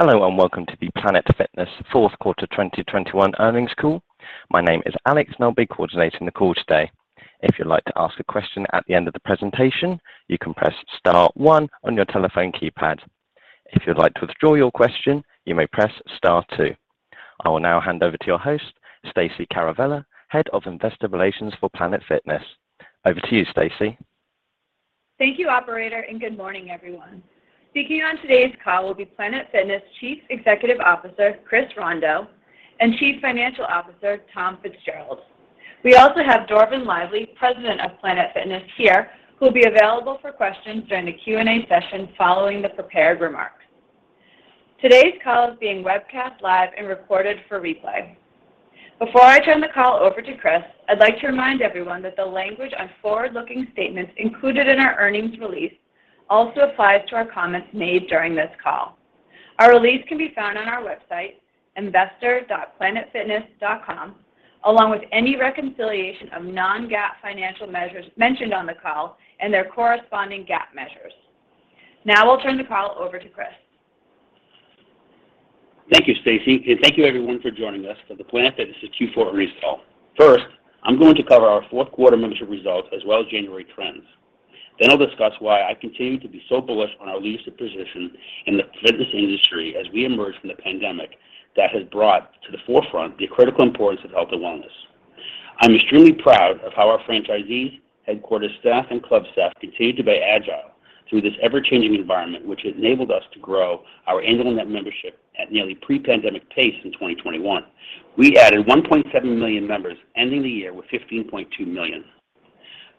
Hello, and welcome to the Planet Fitness fourth quarter 2021 earnings call. My name is Alex, and I'll be coordinating the call today. If you'd like to ask a question at the end of the presentation, you can press star one on your telephone keypad. If you'd like to withdraw your question, you may press star two. I will now hand over to your host, Stacey Caravella, Head of Investor Relations for Planet Fitness. Over to you, Stacey. Thank you operator, and good morning, everyone. Speaking on today's call will be Planet Fitness Chief Executive Officer, Chris Rondeau, and Chief Financial Officer, Tom Fitzgerald. We also have Dorvin Lively, President of Planet Fitness here, who will be available for questions during the Q&A session following the prepared remarks. Today's call is being webcast live and recorded for replay. Before I turn the call over to Chris, I'd like to remind everyone that the language on forward-looking statements included in our earnings release also applies to our comments made during this call. Our release can be found on our website, investor.planetfitness.com, along with any reconciliation of non-GAAP financial measures mentioned on the call and their corresponding GAAP measures. Now I'll turn the call over to Chris. Thank you, Stacy, and thank you everyone for joining us for the Planet Fitness Q4 earnings call. First, I'm going to cover our fourth quarter membership results as well as January trends. I'll discuss why I continue to be so bullish on our leadership position in the fitness industry as we emerge from the pandemic that has brought to the forefront the critical importance of health and wellness. I'm extremely proud of how our franchisees, headquarters staff, and club staff continued to be agile through this ever-changing environment, which has enabled us to grow our end-of-period net membership at nearly pre-pandemic pace in 2021. We added 1.7 million members, ending the year with 15.2 million.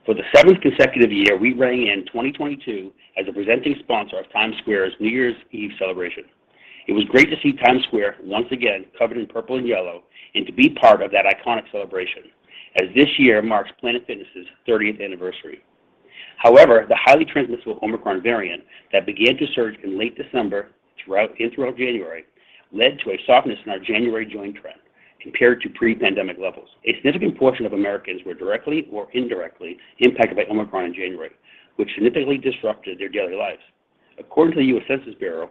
For the seventh consecutive year, we rang in 2022 as a presenting sponsor of Times Square's New Year's Eve celebration. It was great to see Times Square once again covered in purple and yellow, and to be part of that iconic celebration as this year marks Planet Fitness' 30th anniversary. However, the highly transmissible Omicron variant that began to surge in late December throughout January led to a softness in our January join trend compared to pre-pandemic levels. A significant portion of Americans were directly or indirectly impacted by Omicron in January, which significantly disrupted their daily lives. According to the U.S. Census Bureau,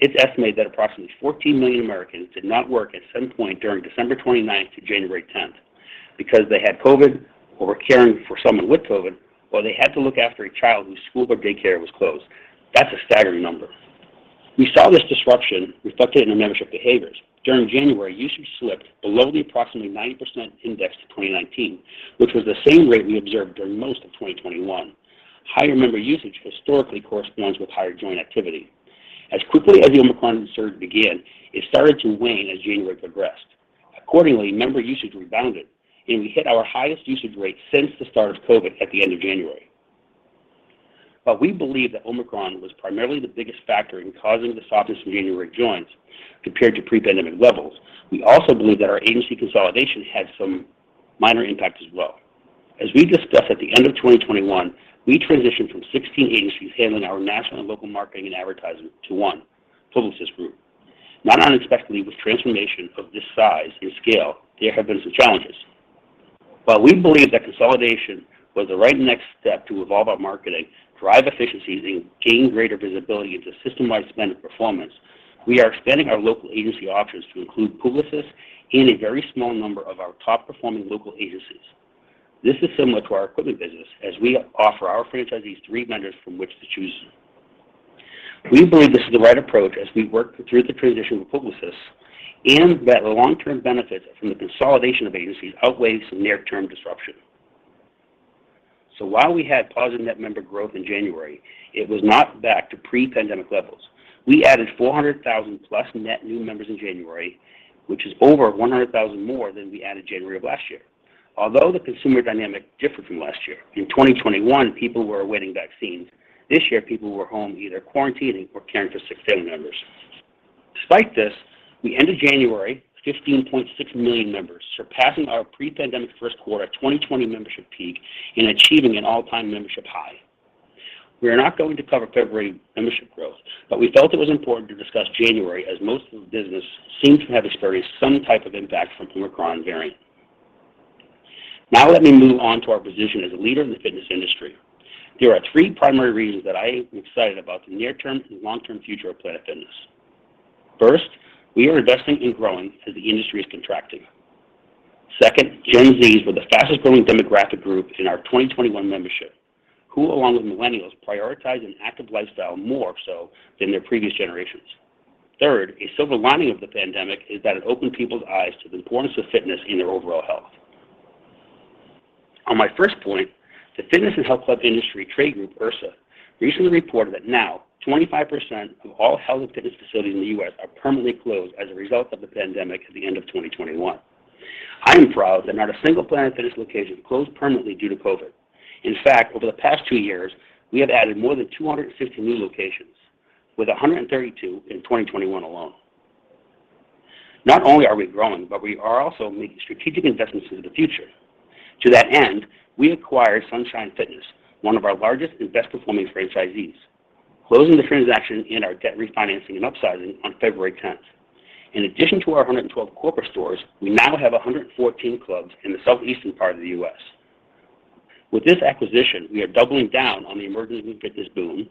it's estimated that approximately 14 million Americans did not work at some point during December 29th to January 10th because they had COVID or were caring for someone with COVID, or they had to look after a child whose school or daycare was closed. That's a staggering number. We saw this disruption reflected in our membership behaviors. During January, usage slipped below the approximately 90% index to 2019, which was the same rate we observed during most of 2021. Higher member usage historically corresponds with higher join activity. As quickly as the Omicron surge began, it started to wane as January progressed. Accordingly, member usage rebounded, and we hit our highest usage rate since the start of COVID at the end of January. While we believe that Omicron was primarily the biggest factor in causing the softness in January joins compared to pre-pandemic levels, we also believe that our agency consolidation had some minor impact as well. As we discussed at the end of 2021, we transitioned from 16 agencies handling our national and local marketing and advertising to one, Publicis Groupe. Not unexpectedly with transformation of this size and scale, there have been some challenges. While we believe that consolidation was the right next step to evolve our marketing, drive efficiencies, and gain greater visibility into system-wide spend and performance, we are expanding our local agency options to include Publicis and a very small number of our top-performing local agencies. This is similar to our equipment business, as we offer our franchisees three vendors from which to choose. We believe this is the right approach as we work through the transition with Publicis, and that the long-term benefits from the consolidation of agencies outweighs some near-term disruption. While we had positive net member growth in January, it was not back to pre-pandemic levels. We added 400,000+ net new members in January, which is over 100,000 more than we added in January of last year. Although the consumer dynamic differed from last year, in 2021, people were awaiting vaccines. This year, people were home either quarantining or caring for sick family members. Despite this, we ended January 15.6 million members, surpassing our pre-pandemic first quarter 2020 membership peak and achieving an all-time membership high. We are not going to cover February membership growth, but we felt it was important to discuss January as most of the business seems to have experienced some type of impact from Omicron variant. Now let me move on to our position as a leader in the fitness industry. There are three primary reasons that I am excited about the near-term and long-term future of Planet Fitness. First, we are investing in growing as the industry is contracting. Second, Gen Z was the fastest-growing demographic group in our 2021 membership, who along with millennials prioritize an active lifestyle more so than their previous generations. Third, a silver lining of the pandemic is that it opened people's eyes to the importance of fitness in their overall health. On my first point, the fitness and health club industry trade group, IHRSA, recently reported that now 25% of all health and fitness facilities in the U.S. are permanently closed as a result of the pandemic at the end of 2021. I am proud that not a single Planet Fitness location closed permanently due to COVID. In fact, over the past two years, we have added more than 250 new locations, with 132 in 2021 alone. Not only are we growing, but we are also making strategic investments into the future. To that end, we acquired Sunshine Fitness, one of our largest and best performing franchisees, closing the transaction in our debt refinancing and upsizing on February 10th. In addition to our 112 corporate stores, we now have 114 clubs in the southeastern part of the U.S. With this acquisition, we are doubling down on the emerging fitness boom,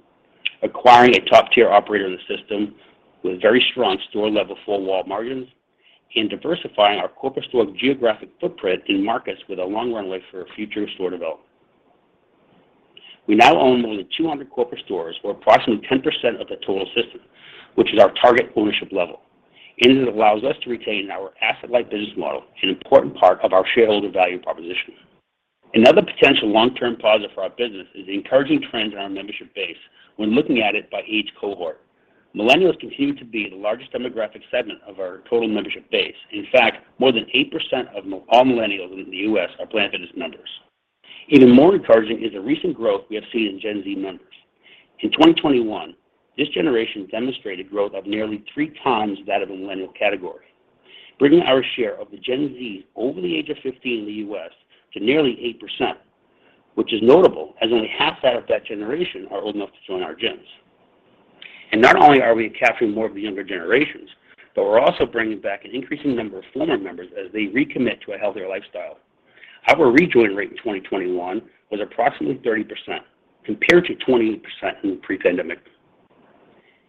acquiring a top-tier operator in the system with very strong store-level four-wall margins, and diversifying our corporate store geographic footprint in markets with a long runway for future store development. We now own more than 200 corporate stores, or approximately 10% of the total system, which is our target ownership level, and it allows us to retain our asset-light business model, an important part of our shareholder value proposition. Another potential long-term positive for our business is the encouraging trends in our membership base when looking at it by age cohort. Millennials continue to be the largest demographic segment of our total membership base. In fact, more than 8% of all millennials living in the U.S. are Planet Fitness members. Even more encouraging is the recent growth we have seen in Gen Z members. In 2021, this generation demonstrated growth of nearly three times that of the millennial category, bringing our share of the Gen Z over the age of 15 in the U.S. to nearly 8%, which is notable as only half of that generation are old enough to join our gyms. Not only are we capturing more of the younger generations, but we're also bringing back an increasing number of former members as they recommit to a healthier lifestyle. Our rejoin rate in 2021 was approximately 30% compared to 20% in pre-pandemic.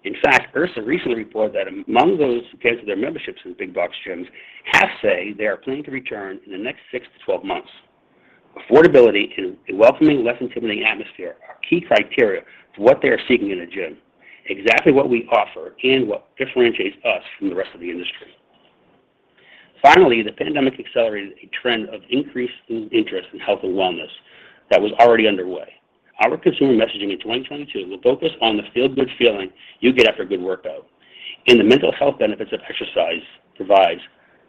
In fact, IHRSA recently reported that among those who canceled their memberships in big box gyms, half say they are planning to return in the next 6-12 months. Affordability and a welcoming, less intimidating atmosphere are key criteria to what they are seeking in a gym. Exactly what we offer and what differentiates us from the rest of the industry. Finally, the pandemic accelerated a trend of increased interest in health and wellness that was already underway. Our consumer messaging in 2022 will focus on the feel-good feeling you get after a good workout, and the mental health benefits that exercise provides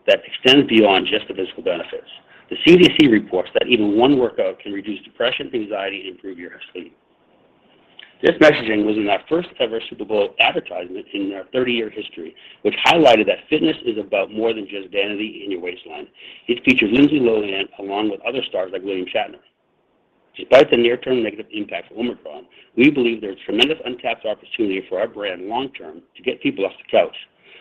that extends beyond just the physical benefits. The CDC reports that even one workout can reduce depression, anxiety, and improve your sleep. This messaging was in our first-ever Super Bowl advertisement in our 30-year history, which highlighted that fitness is about more than just vanity and your waistline. It featured Lindsay Lohan, along with other stars like William Shatner. Despite the near-term negative impact of Omicron, we believe there is tremendous untapped opportunity for our brand long term to get people off the couch,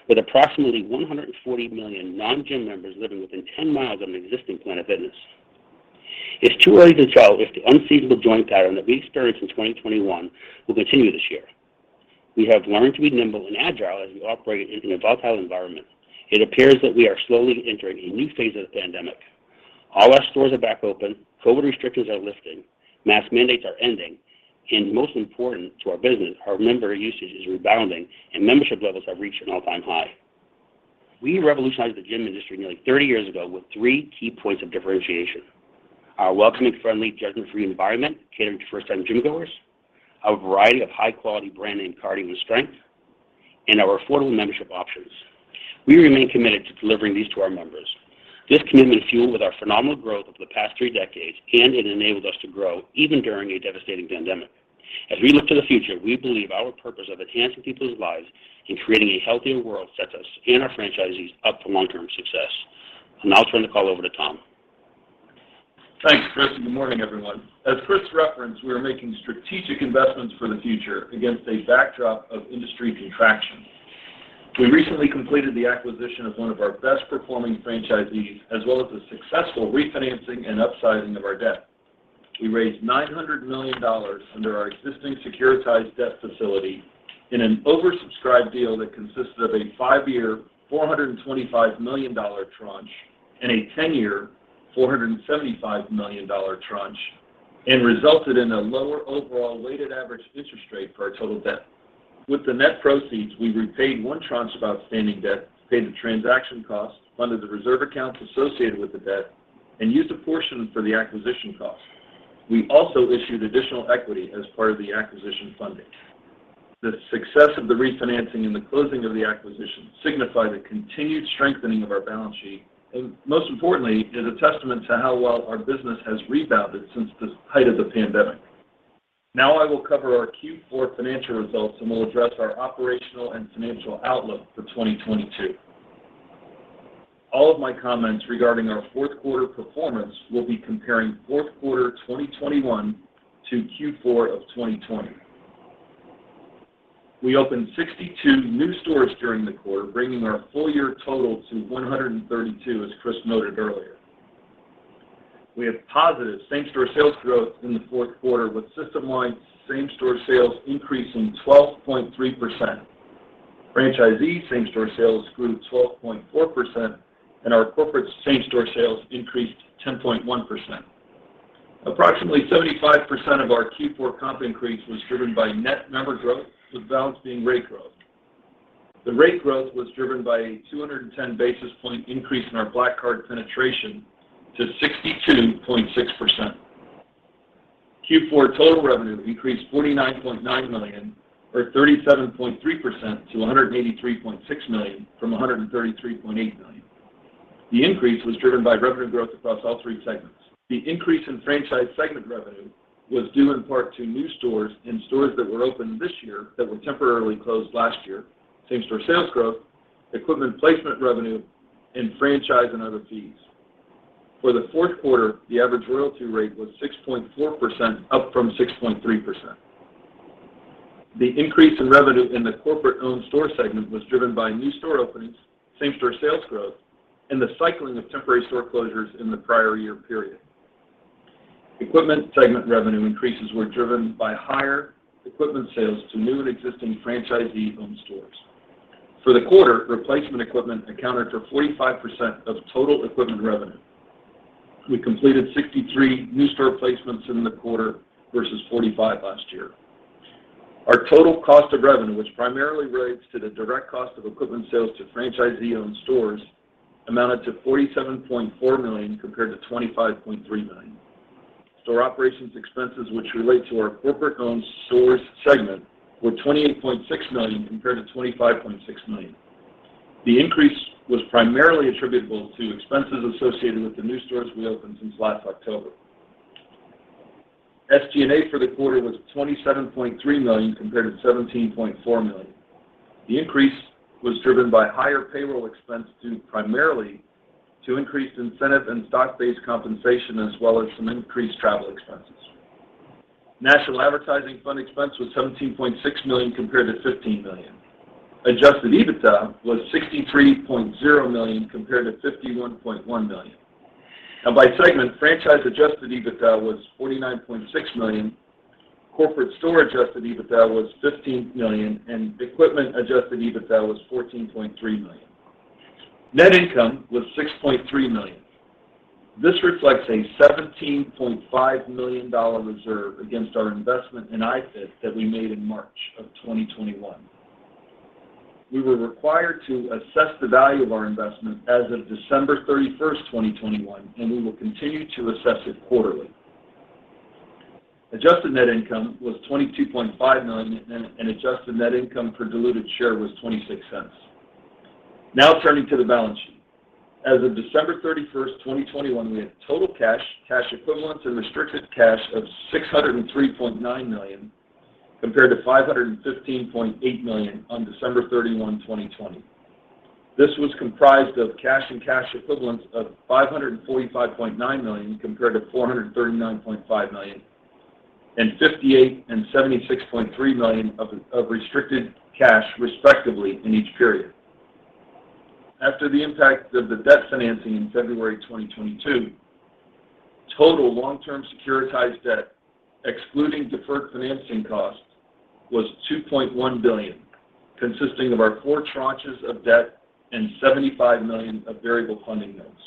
with approximately 140 million non-gym members living within 10 miles of an existing Planet Fitness. It's too early to tell if the unseasonal join pattern that we experienced in 2021 will continue this year. We have learned to be nimble and agile as we operate in a volatile environment. It appears that we are slowly entering a new phase of the pandemic. All our stores are back open, COVID restrictions are lifting, mask mandates are ending, and most important to our business, our member usage is rebounding and membership levels have reached an all-time high. We revolutionized the gym industry nearly 30 years ago with three key points of differentiation. Our welcoming, friendly, judgment-free environment catered to first-time gym-goers, our variety of high-quality brand name cardio and strength, and our affordable membership options. We remain committed to delivering these to our members. This commitment fueled with our phenomenal growth over the past three decades, and it enabled us to grow even during a devastating pandemic. As we look to the future, we believe our purpose of enhancing people's lives and creating a healthier world sets us and our franchisees up for long-term success. I'll now turn the call over to Tom. Thanks, Chris, and good morning, everyone. As Chris referenced, we are making strategic investments for the future against a backdrop of industry contraction. We recently completed the acquisition of one of our best-performing franchisees, as well as a successful refinancing and upsizing of our debt. We raised $900 million under our existing securitized debt facility in an oversubscribed deal that consisted of a five-year $425 million tranche and a ten-year $475 million tranche, and resulted in a lower overall weighted average interest rate for our total debt. With the net proceeds, we repaid one tranche of outstanding debt, paid the transaction costs, funded the reserve accounts associated with the debt, and used a portion for the acquisition cost. We also issued additional equity as part of the acquisition funding. The success of the refinancing and the closing of the acquisition signify the continued strengthening of our balance sheet, and most importantly, is a testament to how well our business has rebounded since the height of the pandemic. Now I will cover our Q4 financial results, and we'll address our operational and financial outlook for 2022. All of my comments regarding our fourth quarter performance will be comparing fourth quarter 2021 to Q4 of 2020. We opened 62 new stores during the quarter, bringing our full-year total to 132, as Chris noted earlier. We have positive same-store sales growth in the fourth quarter, with system-wide same-store sales increasing 12.3%. Franchisee same-store sales grew 12.4%, and our corporate same-store sales increased 10.1%. Approximately 75% of our Q4 comp increase was driven by net member growth, with the balance being rate growth. The rate growth was driven by a 210 basis point increase in our Black Card penetration to 62.6%. Q4 total revenue decreased $49.9 million or 37.3% to $183.6 million from $233.8 million. The increase was driven by revenue growth across all three segments. The increase in franchise segment revenue was due in part to new stores and stores that were open this year that were temporarily closed last year, same-store sales growth, equipment placement revenue, and franchise and other fees. For the fourth quarter, the average royalty rate was 6.4%, up from 6.3%. The increase in revenue in the corporate-owned store segment was driven by new store openings, same-store sales growth, and the cycling of temporary store closures in the prior year period. Equipment segment revenue increases were driven by higher equipment sales to new and existing franchisee-owned stores. For the quarter, replacement equipment accounted for 45% of total equipment revenue. We completed 63 new store placements in the quarter versus 45 last year. Our total cost of revenue, which primarily relates to the direct cost of equipment sales to franchisee-owned stores, amounted to $47.4 million, compared to $25.3 million. Store operations expenses, which relate to our corporate-owned stores segment, were $28.6 million compared to $25.6 million. The increase was primarily attributable to expenses associated with the new stores we opened since last October. SG&A for the quarter was $27.3 million compared to $17.4 million. The increase was driven by higher payroll expense due primarily to increased incentive and stock-based compensation, as well as some increased travel expenses. National advertising fund expense was $17.6 million compared to $15 million. Adjusted EBITDA was $63.0 million compared to $51.1 million. Now by segment, franchise adjusted EBITDA was $49.6 million, corporate store adjusted EBITDA was $15 million, and equipment adjusted EBITDA was $14.3 million. Net income was $6.3 million. This reflects a $17.5 million reserve against our investment in iFIT that we made in March of 2021. We were required to assess the value of our investment as of December 31, 2021, and we will continue to assess it quarterly. Adjusted net income was $22.5 million, and adjusted net income per diluted share was $0.26. Now turning to the balance sheet. As of December 31, 2021, we had total cash equivalents, and restricted cash of $603.9 million, compared to $515.8 million on December 31, 2020. This was comprised of cash and cash equivalents of $545.9 million compared to $439.5 million, and $58.7 million and $76.3 million of restricted cash respectively in each period. After the impact of the debt financing in February 2022, total long-term securitized debt, excluding deferred financing costs, was $2.1 billion, consisting of our four tranches of debt and $75 million of variable funding notes.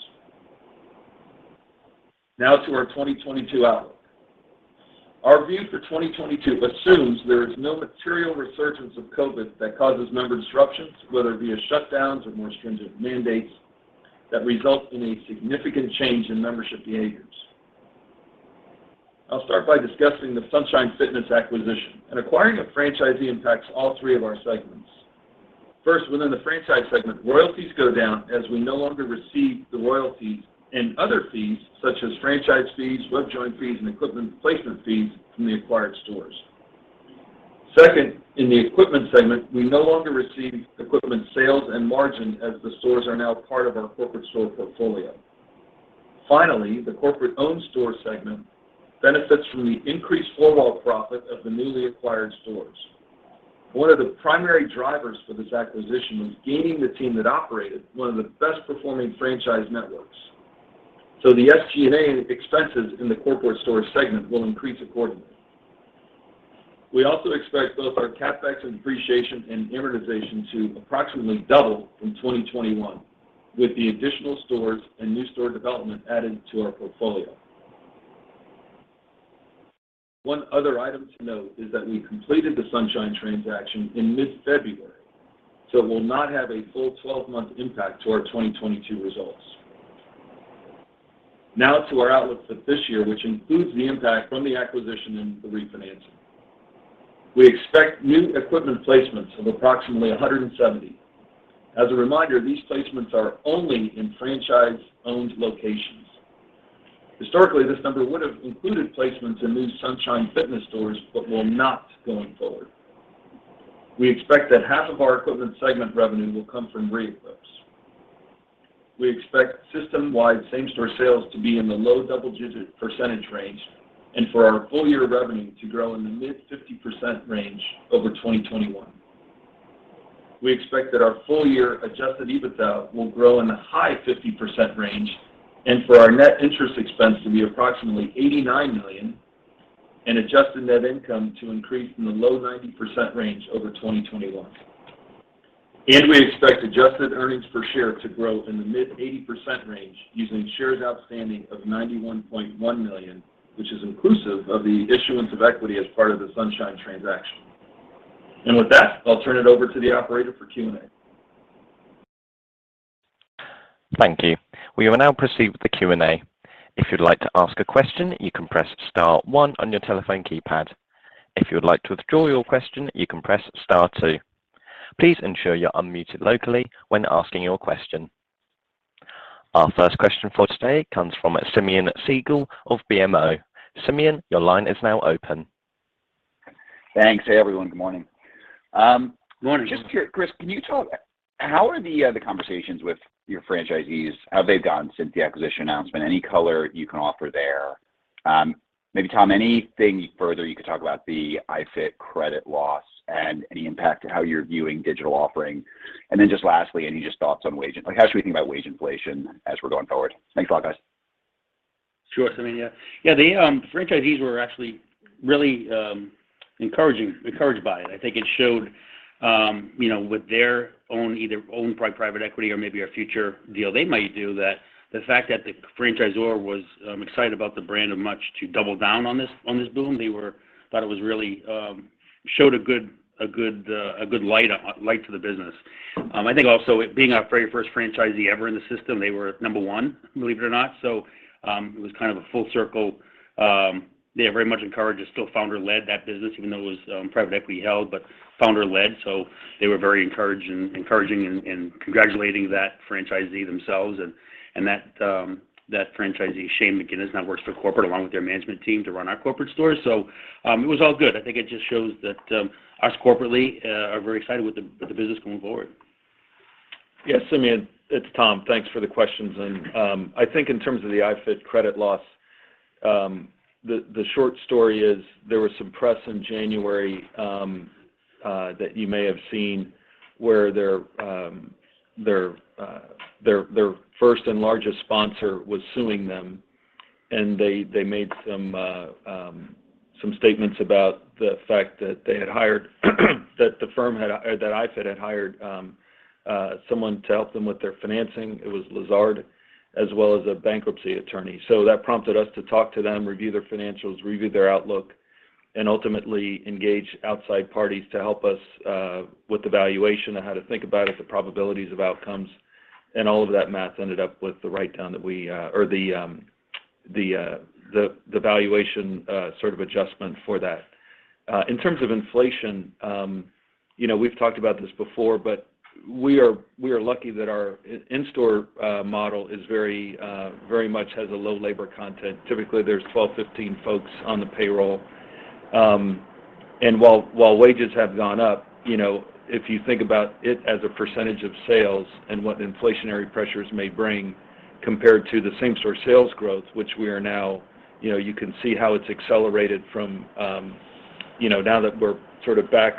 Now to our 2022 outlook. Our view for 2022 assumes there is no material resurgence of COVID that causes member disruptions, whether via shutdowns or more stringent mandates that result in a significant change in membership behaviors. I'll start by discussing the Sunshine Fitness acquisition, and acquiring a franchisee impacts all three of our segments. First, within the franchise segment, royalties go down as we no longer receive the royalties and other fees such as franchise fees, web join fees, and equipment placement fees from the acquired stores. Second, in the equipment segment, we no longer receive equipment sales and margin as the stores are now part of our corporate store portfolio. Finally, the corporate-owned store segment benefits from the increased four-wall profit of the newly acquired stores. One of the primary drivers for this acquisition was gaining the team that operated one of the best-performing franchise networks. The SG&A expenses in the corporate store segment will increase accordingly. We also expect both our CapEx and depreciation and amortization to approximately double from 2021 with the additional stores and new store development added to our portfolio. One other item to note is that we completed the Sunshine transaction in mid-February, so it will not have a full 12-month impact to our 2022 results. Now to our outlook for this year, which includes the impact from the acquisition and the refinancing. We expect new equipment placements of approximately 170. As a reminder, these placements are only in franchise-owned locations. Historically, this number would have included placements in new Sunshine Fitness stores but will not going forward. We expect that half of our equipment segment revenue will come from re-equips. We expect system-wide same-store sales to be in the low double-digit % range and for our full-year revenue to grow in the mid-50% range over 2021. We expect that our full-year adjusted EBITDA will grow in the high-50% range and for our net interest expense to be approximately $89 million and adjusted net income to increase in the low-90% range over 2021. We expect adjusted earnings per share to grow in the mid-80% range using shares outstanding of 91.1 million, which is inclusive of the issuance of equity as part of the Sunshine transaction. With that, I'll turn it over to the operator for Q&A. Thank you. We will now proceed with the Q&A. If you'd like to ask a question, you can press star one on your telephone keypad. If you would like to withdraw your question, you can press star two. Please ensure you're unmuted locally when asking your question. Our first question for today comes from Simeon Siegel of BMO. Simeon, your line is now open. Thanks. Hey, everyone. Good morning. Just Chris, can you talk, how are the conversations with your franchisees? How have they gone since the acquisition announcement? Any color you can offer there? Maybe Tom, anything further you could talk about the iFit credit loss and any impact to how you're viewing digital offering? Then just lastly, any just thoughts on wage like how should we think about wage inflation as we're going forward? Thanks a lot, guys. Sure, Simeon. Yeah, the franchisees were actually really encouraged by it. I think it showed, you know, with their own private equity or maybe a future deal they might do, that the fact that the franchisor was excited about the brand enough to double down on this boom. They thought it was really a good light on the business. I think also it being our very first franchisee ever in the system, they were number one, believe it or not. It was kind of a full circle. They are very much encouraged. It's still founder-led, that business, even though it was private equity held, but founder-led, so they were very encouraged and encouraging and congratulating that franchisee themselves and that franchisee, Shane McGuiness, now works for corporate along with their management team to run our corporate stores. It was all good. I think it just shows that us corporately are very excited with the business going forward. Yeah, Simeon, it's Tom. Thanks for the questions. I think in terms of the iFIT credit loss, the short story is there was some press in January that you may have seen where their first and largest sponsor was suing them. They made some statements about the fact that iFIT had hired someone to help them with their financing. It was Lazard, as well as a bankruptcy attorney. That prompted us to talk to them, review their financials, review their outlook, and ultimately engage outside parties to help us with the valuation and how to think about it, the probabilities of outcomes, and all of that math ended up with the valuation sort of adjustment for that. In terms of inflation, you know, we've talked about this before, but we are lucky that our in-store model is very much has a low labor content. Typically, there's 12-15 folks on the payroll. While wages have gone up, you know, if you think about it as a percentage of sales and what inflationary pressures may bring compared to the same store sales growth, which we are now, you know, you can see how it's accelerated from, you know, now that we're sort of back,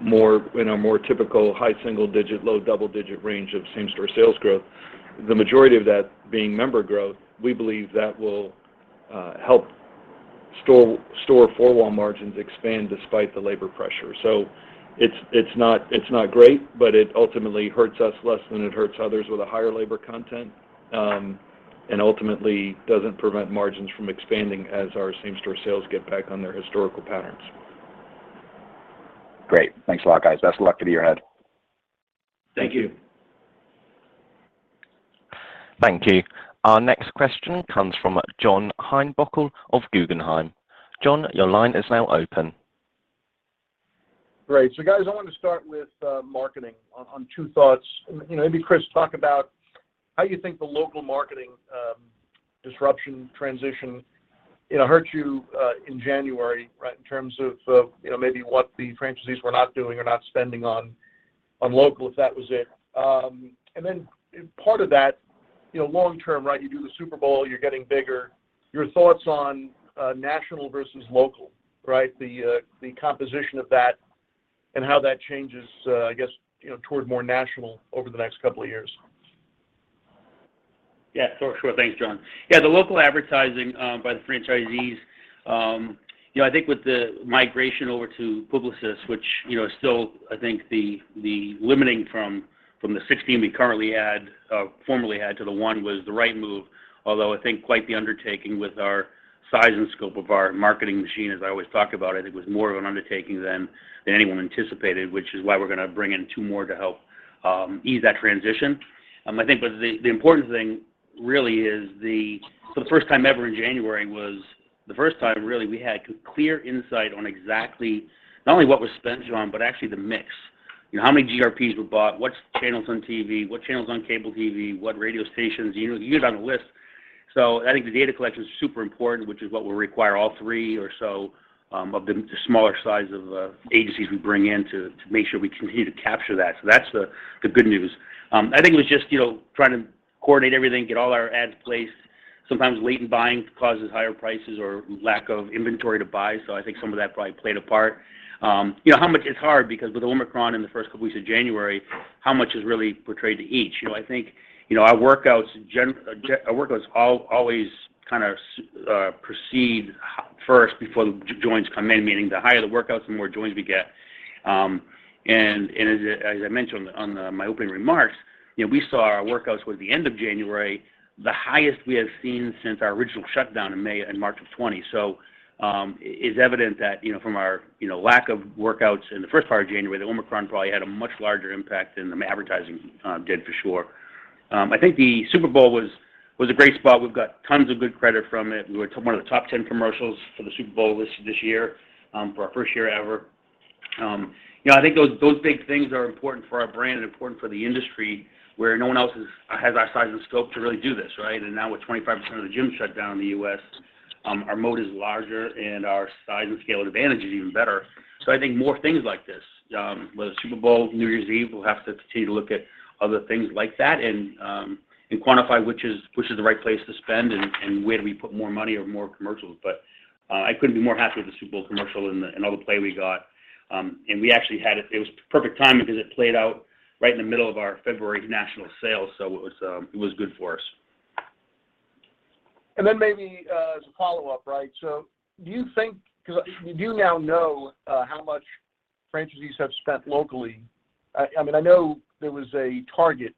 more in a more typical high single digit, low double digit range of same store sales growth, the majority of that being member growth, we believe that will help store four-wall margins expand despite the labor pressure. It's not great, but it ultimately hurts us less than it hurts others with a higher labor content, and ultimately doesn't prevent margins from expanding as our same store sales get back on their historical patterns. Great. Thanks a lot, guys. Best of luck in the year ahead. Thank you. Thank you. Our next question comes from John Heinbockel of Guggenheim. John, your line is now open. Great. Guys, I wanted to start with marketing on two thoughts. You know, maybe Chris, talk about how you think the local marketing disruption transition, you know, hurt you in January, right? In terms of, you know, maybe what the franchisees were not doing or not spending on local, if that was it, and then part of that, you know, long term, right, you do the Super Bowl, you're getting bigger. Your thoughts on national versus local, right? The composition of that and how that changes, I guess, you know, toward more national over the next couple of years. Yeah, sure. Thanks, John. Yeah, the local advertising by the franchisees, you know, I think with the migration over to Publicis, which, you know, is still, I think the limiting from the 16 we formerly had to the one was the right move. Although I think quite the undertaking with our size and scope of our marketing machine, as I always talk about it was more of an undertaking than anyone anticipated, which is why we're gonna bring in two more to help ease that transition. I think the important thing really is for the first time ever in January we had clear insight on exactly not only what was spent, John, but actually the mix. You know, how many GRPs were bought, what channels on TV, what channels on cable TV, what radio stations, you know, you get on the list. I think the data collection is super important, which is what we'll require all three or so of the smaller size of agencies we bring in to make sure we continue to capture that. That's the good news. I think it was just, you know, trying to coordinate everything, get all our ads placed. Sometimes late buying causes higher prices or lack of inventory to buy. I think some of that probably played a part. You know, how much it's hard because with Omicron in the first couple weeks of January, how much is really attributed to each? You know, I think, you know, our workouts always kind of proceed first before the joins come in, meaning the higher the workouts, the more joins we get. As I mentioned in my opening remarks, you know, we saw our workouts towards the end of January, the highest we have seen since our original shutdown in May and March of 2020. It's evident that, you know, from our, you know, lack of workouts in the first part of January, the Omicron probably had a much larger impact than the advertising did for sure. I think the Super Bowl was a great spot. We've got tons of good credit from it. We were one of the top 10 commercials for the Super Bowl list this year, for our first year ever. You know, I think those big things are important for our brand and important for the industry where no one else has our size and scope to really do this, right? Now with 25% of the gyms shut down in the U.S., our moat is larger and our size and scale advantage is even better. I think more things like this, whether Super Bowl, New Year's Eve, we'll have to continue to look at other things like that and quantify which is the right place to spend and where do we put more money or more commercials. I couldn't be more happy with the Super Bowl commercial and all the play we got. It was perfect timing because it played out right in the middle of our February national sales, so it was good for us. Maybe, as a follow-up, right? So do you think, because you do now know how much franchisees have spent locally? I mean, I know there was a target.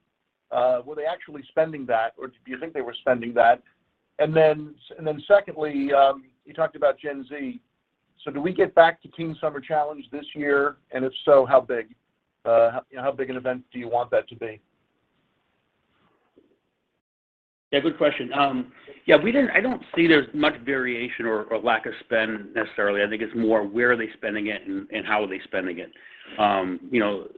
Were they actually spending that, or do you think they were spending that? Secondly, you talked about Gen Z. So do we get back to Teen Summer Challenge this year? And if so, how big? How big an event do you want that to be? Yeah, good question. I don't see there's much variation or lack of spend necessarily. I think it's more where are they spending it and how are they spending it. You know,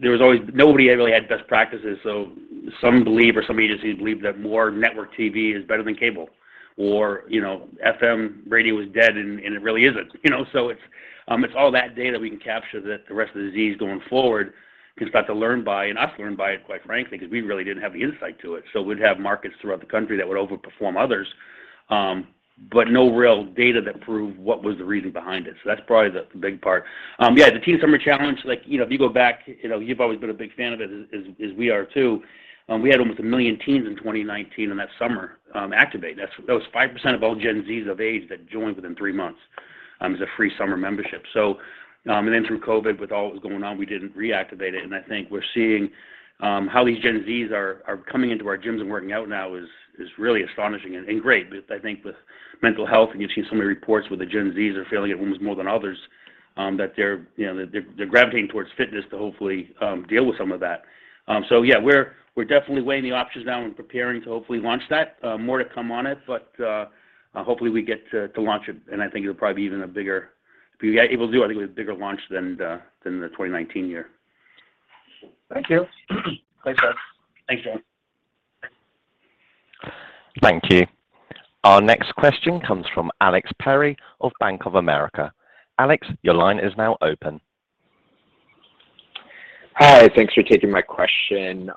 nobody really had best practices, so some believe or some agencies believe that more network TV is better than cable or, you know, FM radio is dead and it really isn't, you know. It's all that data we can capture that the rest of the Zs going forward can start to learn by, and us learn by it, quite frankly, because we really didn't have the insight to it. We'd have markets throughout the country that would overperform others, but no real data that proved what was the reason behind it. That's probably the big part. Yeah, the Teen Summer Challenge, like, you know, if you go back, you know, you've always been a big fan of it as we are too. We had almost a million teens in 2019 in that summer activated. That was 5% of all Gen Zs of age that joined within three months as a free summer membership. Then through COVID, with all that was going on, we didn't reactivate it. I think we're seeing how these Gen Zs are coming into our gyms and working out now is really astonishing and great. I think with mental health, and you've seen so many reports where the Gen Zs are faring worse than others, that they're gravitating towards fitness to hopefully deal with some of that. Yeah, we're definitely weighing the options now and preparing to hopefully launch that. More to come on it, but hopefully we get to launch it. I think it'll probably be bigger if we get able to do it. I think it'll be a bigger launch than the 2019 year. Thank you. Thanks, Chris. Thanks, John. Thank you. Our next question comes from Alex Perry of Bank of America. Alex, your line is now open. Hi. Thanks for taking my question.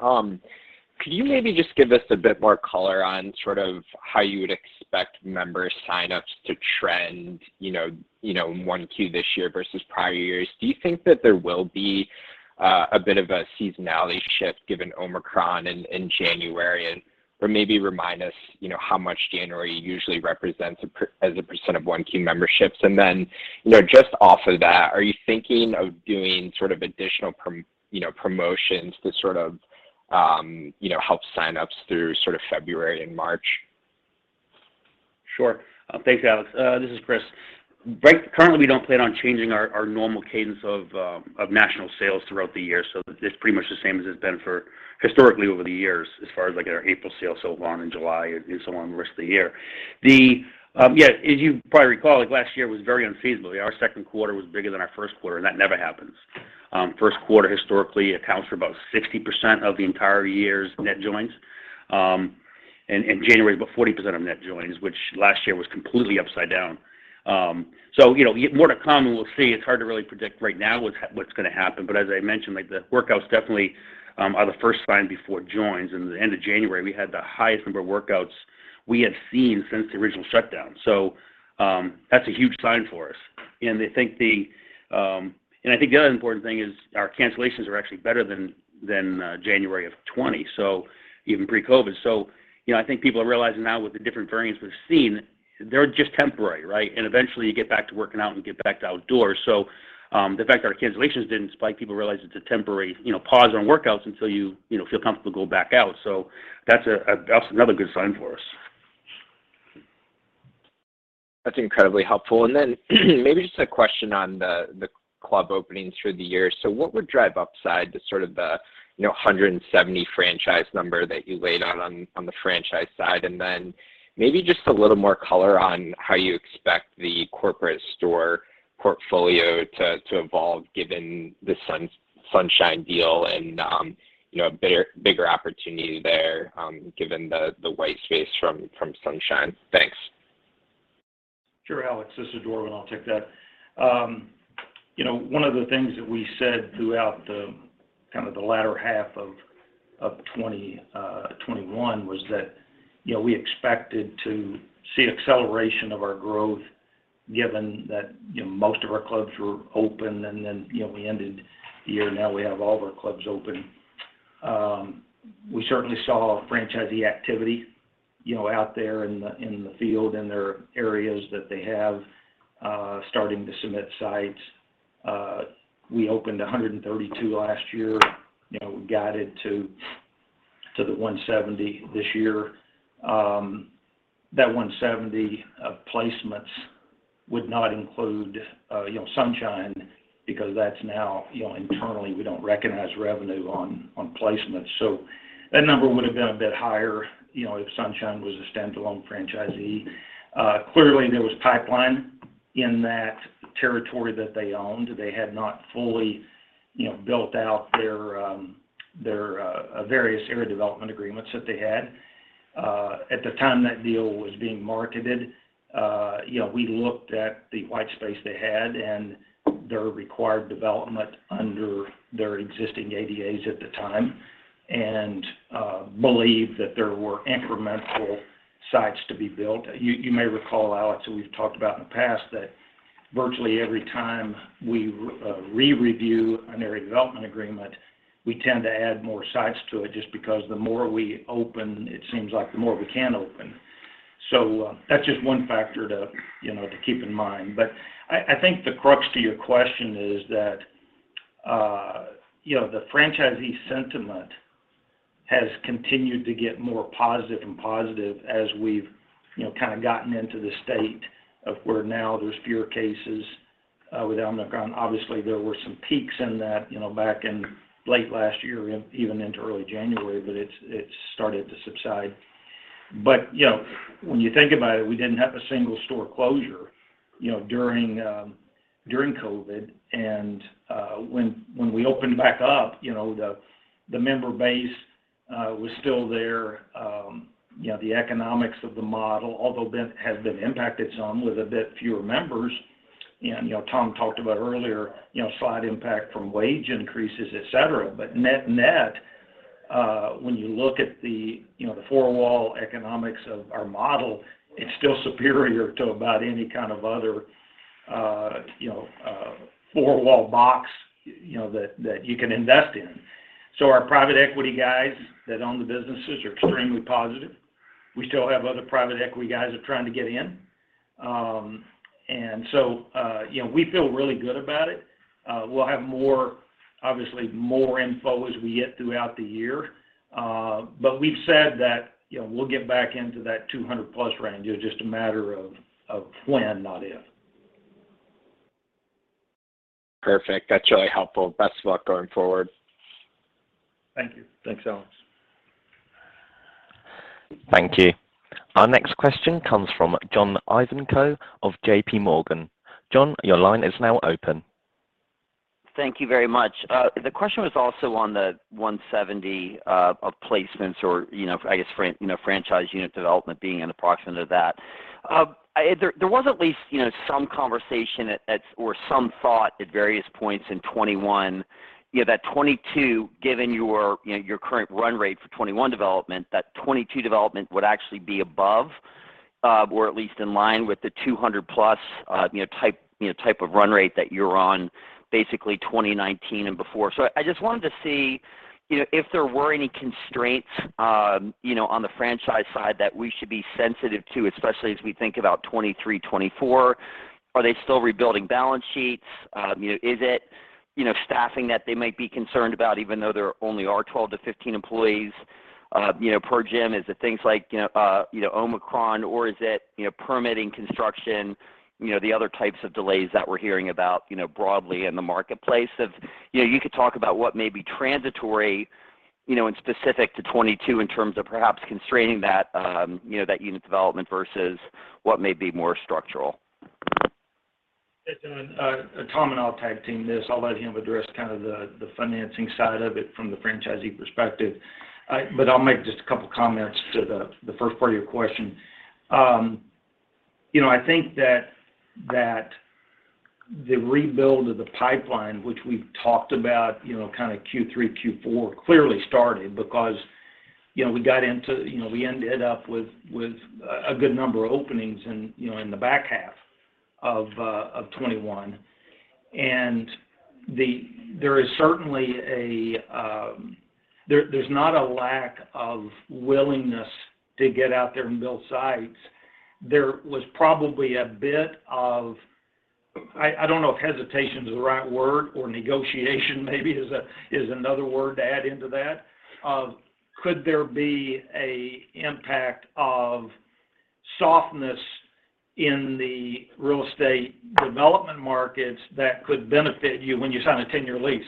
Could you maybe just give us a bit more color on sort of how you would expect member sign-ups to trend, you know, in 1Q this year versus prior years? Do you think that there will be a bit of a seasonality shift given Omicron in January? Or maybe remind us, you know, how much January usually represents as a % of 1Q memberships. Then, you know, just off of that, are you thinking of doing sort of additional promotions to sort of help sign-ups through February and March? Sure. Thanks, Alex. This is Chris. Right, currently we don't plan on changing our normal cadence of national sales throughout the year. It's pretty much the same as it's been for historically over the years, as far as like our April sale so far and in July and so on the rest of the year. Yeah, as you probably recall, like last year was very unseasonably. Our second quarter was bigger than our first quarter, and that never happens. First quarter historically accounts for about 60% of the entire year's net joins, and January is about 40% of net joins, which last year was completely upside down. You know, more to come and we'll see. It's hard to really predict right now what's gonna happen. As I mentioned, like the workouts definitely are the first sign before joins. At the end of January, we had the highest number of workouts we had seen since the original shutdown. That's a huge sign for us. I think the other important thing is our cancellations are actually better than January of 2020, so even pre-COVID. You know, I think people are realizing now with the different variants we've seen, they're just temporary, right? Eventually you get back to working out and get back to outdoors. The fact our cancellations didn't spike, people realize it's a temporary, you know, pause on workouts until you know, feel comfortable to go back out. That's another good sign for us. That's incredibly helpful. Then maybe just a question on the club openings through the year. What would drive upside to sort of the, you know, 170 franchise number that you laid out on the franchise side? Then maybe just a little more color on how you expect the corporate store portfolio to evolve given the Sunshine deal and, you know, a bigger opportunity there, given the white space from Sunshine. Thanks. Sure, Alex. This is Dorvin. I'll take that. You know, one of the things that we said throughout the kind of the latter half of 2021 was that, you know, we expected to see acceleration of our growth given that, you know, most of our clubs were open and then, you know, we ended the year. Now we have all of our clubs open. We certainly saw franchisee activity, you know, out there in the field, in their areas that they have starting to submit sites. We opened 132 last year. You know, we guided to the 170 this year. That 170 of placements would not include, you know, Sunshine because that's now, you know, internally we don't recognize revenue on placements. That number would have been a bit higher, you know, if Sunshine was a standalone franchisee. Clearly there was pipeline in that territory that they owned. They had not fully, you know, built out their various area development agreements that they had. At the time that deal was being marketed, you know, we looked at the white space they had and their required development under their existing ADAs at the time and believed that there were incremental sites to be built. You may recall, Alex, we've talked about in the past that virtually every time we re-review an area development agreement, we tend to add more sites to it just because the more we open, it seems like the more we can open. That's just one factor to, you know, to keep in mind. I think the crux to your question is that, you know, the franchisee sentiment has continued to get more positive as we've, you know, kind of gotten into the state of where now there's fewer cases with Omicron. Obviously, there were some peaks in that, you know, back in late last year, even into early January, but it's started to subside. You know, when you think about it, we didn't have a single store closure, you know, during COVID. When we opened back up, you know, the member base was still there. You know, the economics of the model, although has been impacted some with a bit fewer members. You know, Tom talked about earlier, you know, slight impact from wage increases, et cetera. Net-net, when you look at the you know the four-wall economics of our model, it's still superior to about any kind of other you know four-wall box you know that you can invest in. Our private equity guys that own the businesses are extremely positive. We still have other private equity guys are trying to get in. You know, we feel really good about it. We'll have more, obviously more info as we get throughout the year. We've said that you know we'll get back into that 200+ range. It's just a matter of when, not if. Perfect. That's really helpful. Best of luck going forward. Thank you. Thanks, Alex. Thank you. Our next question comes from John Ivankoe of J.P. Morgan. John, your line is now open. Thank you very much. The question was also on the 170 of placements or, you know, I guess franchise unit development being an approximate of that. There was at least, you know, some conversation at or some thought at various points in 2021, you know, that 2022, given your, you know, your current run rate for 2021 development, that 2022 development would actually be above or at least in line with the 200+, you know, type of run rate that you're on basically 2019 and before. I just wanted to see, you know, if there were any constraints, you know, on the franchise side that we should be sensitive to, especially as we think about 2023, 2024. Are they still rebuilding balance sheets? You know, is it, you know, staffing that they might be concerned about, even though there only are 12-15 employees, you know, per gym? Is it things like, you know, Omicron, or is it, you know, permitting construction, you know, the other types of delays that we're hearing about, you know, broadly in the marketplace of. You know, you could talk about what may be transitory, you know, and specific to 2022 in terms of perhaps constraining that, you know, that unit development versus what may be more structural. Listen, Tom and I will tag team this. I'll let him address kind of the financing side of it from the franchisee perspective, but I'll make just a couple of comments to the first part of your question. You know, I think that the rebuild of the pipeline, which we've talked about, you know, kind of Q3, Q4, clearly started because, you know, we ended up with a good number of openings in, you know, in the back half of 2021. There is certainly not a lack of willingness to get out there and build sites. There was probably a bit of, I don't know if hesitation is the right word or negotiation maybe is another word to add into that, of could there be an impact of softness in the real estate development markets that could benefit you when you sign a 10-year lease.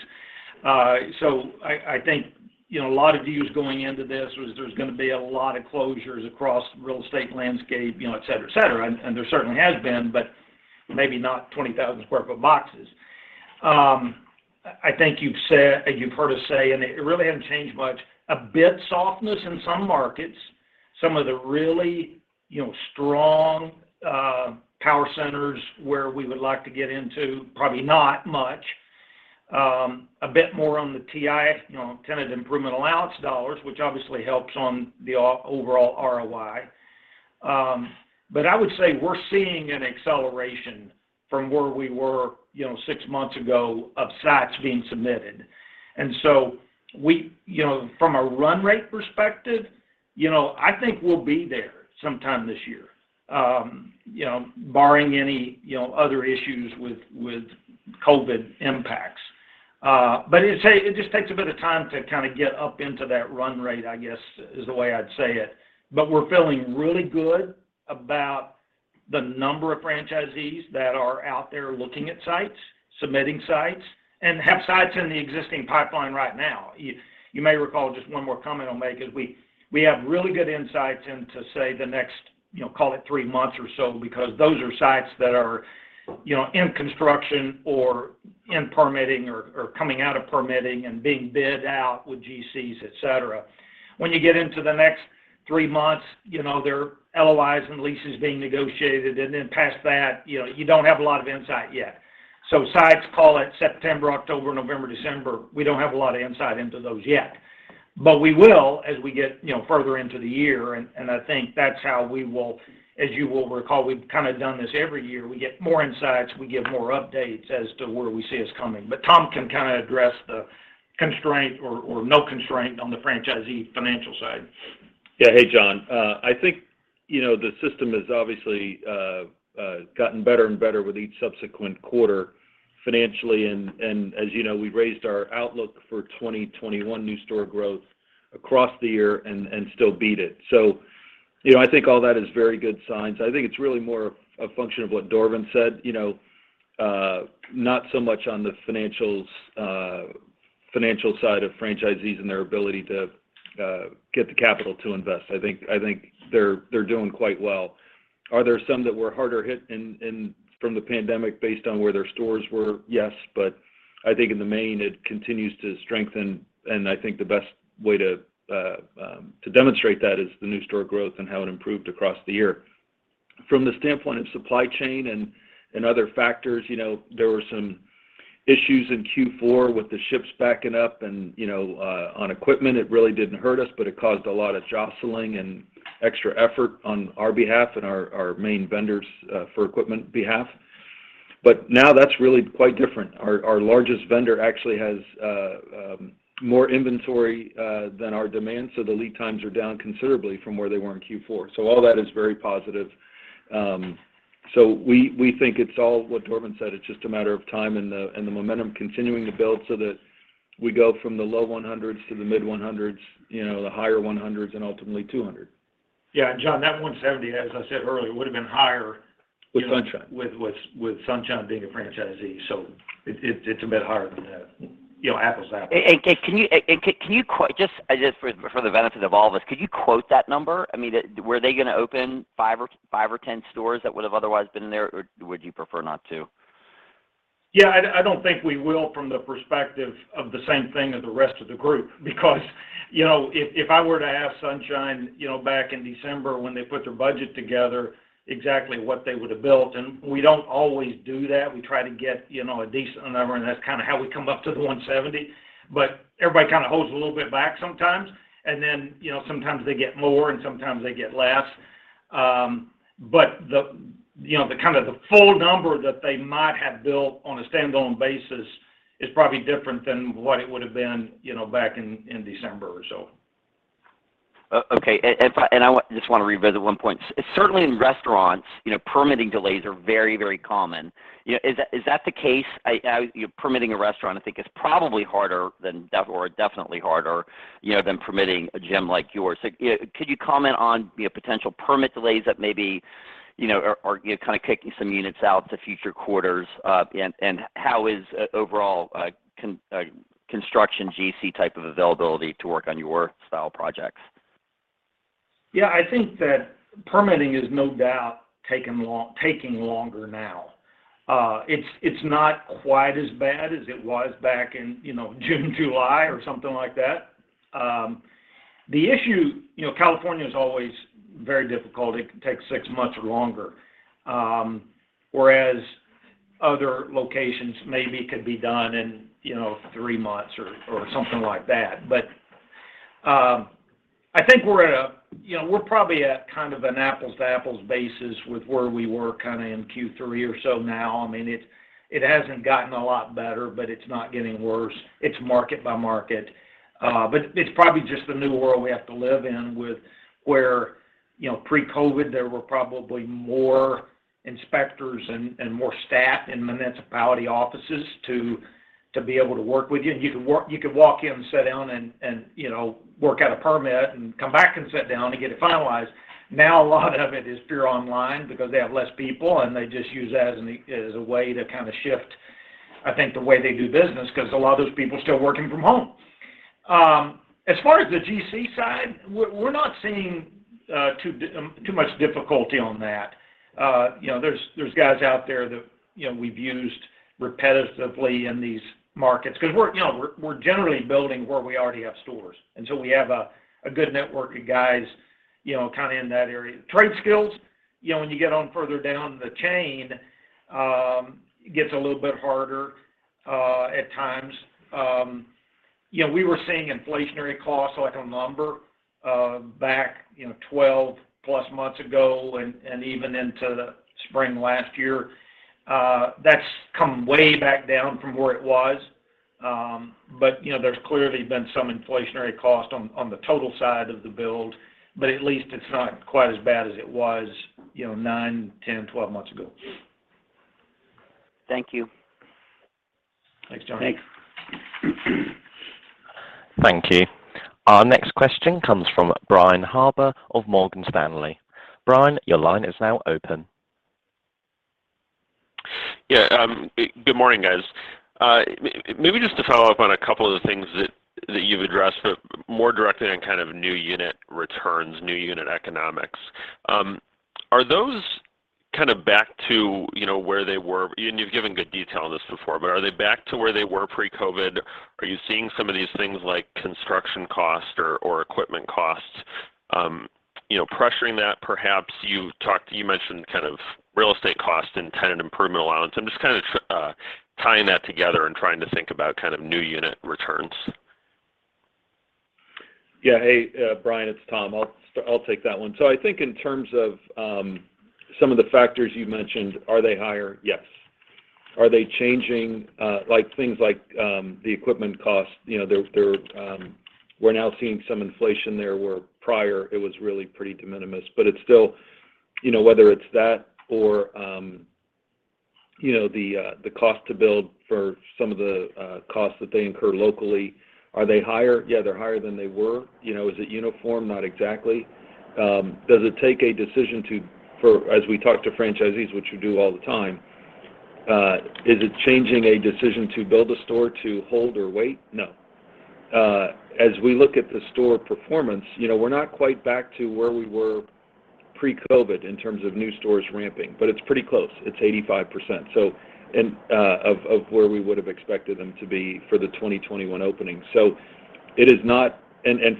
So I think, you know, a lot of views going into this was there's gonna be a lot of closures across real estate landscape, you know, et cetera, et cetera. There certainly has been, but maybe not 20,000 sq ft boxes. I think you've said—you've heard us say, and it really hasn't changed much, a bit softness in some markets, some of the really, you know, strong power centers where we would like to get into, probably not much. A bit more on the TI, you know, tenant improvement allowance dollars, which obviously helps on the overall ROI, but I would say we're seeing an acceleration from where we were, you know, six months ago of sites being submitted. You know, from a run rate perspective, you know, I think we'll be there sometime this year, you know, barring any, you know, other issues with COVID impacts, but it just takes a bit of time to kind of get up into that run rate, I guess, is the way I'd say it, but we're feeling really good about the number of franchisees that are out there looking at sites, submitting sites, and have sites in the existing pipeline right now. You may recall just one more comment I'll make is we have really good insights into, say, the next, you know, call it three months or so, because those are sites that are, you know, in construction or in permitting or coming out of permitting and being bid out with GCs, et cetera. When you get into the next three months, you know, there are LOIs and leases being negotiated, and then past that, you know, you don't have a lot of insight yet. Sites call it September, October, November, December, we don't have a lot of insight into those yet. We will as we get, you know, further into the year, and I think that's how we will, as you will recall, we've kind of done this every year. We get more insights, we give more updates as to where we see it's coming. Tom can kind of address the constraint or no constraint on the franchisee financial side. Yeah. Hey, John. I think, you know, the system has obviously gotten better and better with each subsequent quarter financially. As you know, we raised our outlook for 2021 new store growth across the year and still beat it. You know, I think all that is very good signs. I think it's really more a function of what Dorvin said, you know, not so much on the financials, financial side of franchisees and their ability to get the capital to invest. I think they're doing quite well. Are there some that were harder hit from the pandemic based on where their stores were? Yes. I think in the main, it continues to strengthen, and I think the best way to demonstrate that is the new store growth and how it improved across the year. From the standpoint of supply chain and other factors, you know, there were some issues in Q4 with the ships backing up and you know on equipment, it really didn't hurt us, but it caused a lot of jostling and extra effort on our behalf and our main vendors for equipment behalf. Now that's really quite different. Our largest vendor actually has more inventory than our demand, so the lead times are down considerably from where they were in Q4. All that is very positive. We think it's all what Dorvin said. It's just a matter of time and the momentum continuing to build so that we go from the low 100s to the mid-100s, you know, the higher 100s, and ultimately 200. Yeah. John, that 170, as I said earlier, would have been higher. With Sunshine being a franchisee. It's a bit higher than that. You know, apples to apples. Just for the benefit of all of us, could you quote that number? I mean, were they gonna open 5 or 10 stores that would have otherwise been there, or would you prefer not to? Yeah. I don't think we will from the perspective of the same thing as the rest of the group. Because, you know, if I were to ask Sunshine, you know, back in December when they put their budget together exactly what they would have built, and we don't always do that. We try to get, you know, a decent number, and that's kind of how we come up to the 170, but everybody kind of holds a little bit back sometimes, and then, you know, sometimes they get more, and sometimes they get less, but you know, the kind of full number that they might have built on a standalone basis is probably different than what it would've been, you know, back in December or so. Okay. I just wanna revisit one point. Certainly in restaurants, you know, permitting delays are very, very common. You know, is that the case? Permitting a restaurant, I think is probably harder or definitely harder, you know, than permitting a gym like yours. You know, could you comment on, you know, potential permit delays that maybe, you know, are, you know, kind of kicking some units out to future quarters? And how is overall construction GC type of availability to work on your style of projects? Yeah. I think that permitting is no doubt taking longer now. It's not quite as bad as it was back in, you know, June, July or something like that. The issue, you know, California is always very difficult. It can take six months or longer. Whereas other locations maybe could be done in, you know, three months or something like that. I think we're probably at kind of an apples-to-apples basis with where we were kind of in Q3 or so now. I mean, it hasn't gotten a lot better, but it's not getting worse. It's market by market. It's probably just the new world we have to live in with where, you know, pre-COVID, there were probably more inspectors and more staff in municipality offices to be able to work with you. You could walk in and sit down and, you know, work out a permit and come back and sit down and get it finalized. Now, a lot of it is purely online because they have less people, and they just use that as a way to kind of shift, I think, the way they do business, 'cause a lot of those people are still working from home. As far as the GC side, we're not seeing too much difficulty on that. You know, there's guys out there that, you know, we've used repetitively in these markets. 'Cause we're, you know, generally building where we already have stores, so we have a good network of guys, you know, kind of in that area. Trade skills, you know, when you get on further down the chain, gets a little bit harder at times. You know, we were seeing inflationary costs like on lumber back 12+ months ago and even into the spring last year. That's come way back down from where it was. You know, there's clearly been some inflationary cost on the total side of the build, but at least it's not quite as bad as it was, you know, 9, 10, 12 months ago. Thank you. Thanks, John. Thanks. Thank you. Our next question comes from Brian Harbour of Morgan Stanley. Brian, your line is now open. Yeah. Good morning, guys. Maybe just to follow up. You addressed, but more directly on kind of new unit returns, new unit economics. Are those kind of back to, you know, where they were? You've given good detail on this before, but are they back to where they were pre-COVID? Are you seeing some of these things like construction cost or equipment costs, you know, pressuring that perhaps? You mentioned kind of real estate costs and tenant improvement allowance. I'm just kind of tying that together and trying to think about kind of new unit returns. Yeah. Hey, Brian, it's Tom. I'll take that one. I think in terms of some of the factors you mentioned, are they higher? Yes. Are they changing, like things like, the equipment costs? You know, there, we're now seeing some inflation there, where prior it was really pretty de minimis. It's still, you know, whether it's that or, you know, the cost to build for some of the costs that they incur locally, are they higher? Yeah, they're higher than they were. You know, is it uniform? Not exactly. Does it take a decision to, for, as we talk to franchisees, which we do all the time, is it changing a decision to build a store to hold or wait? No. As we look at the store performance, you know, we're not quite back to where we were pre-COVID in terms of new stores ramping, but it's pretty close. It's 85% of where we would've expected them to be for the 2021 opening.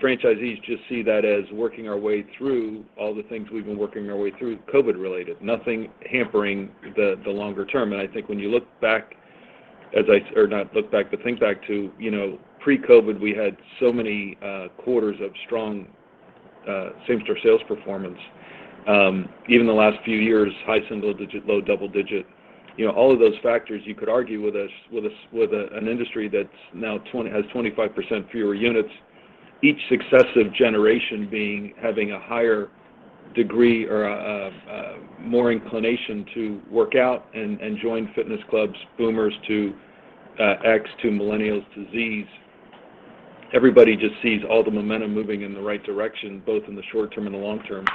Franchisees just see that as working our way through all the things we've been working our way through COVID-related, nothing hampering the longer term. I think when you look back, or not look back, but think back to, you know, pre-COVID, we had so many quarters of strong same-store sales performance. Even the last few years, high single digit, low double digit. You know, all of those factors, you could argue with an industry that's now 20, has 25% fewer units, each successive generation having a higher degree or a more inclination to work out and join fitness clubs, Boomers to Gen X to Millennials to Gen Z. Everybody just sees all the momentum moving in the right direction, both in the short term and the long term.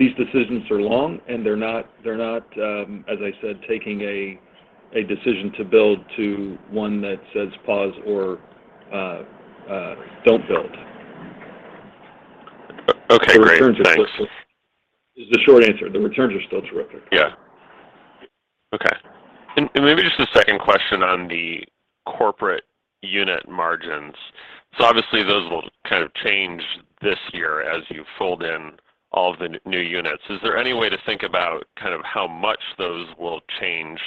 These decisions are long, and they're not as I said, taking a decision to build to one that says pause or don't build. Okay, great. Thanks. Is the short answer. The returns are still terrific. Maybe just a second question on the corporate unit margins. Obviously, those will kind of change this year as you fold in all of the new units. Is there any way to think about kind of how much those will change?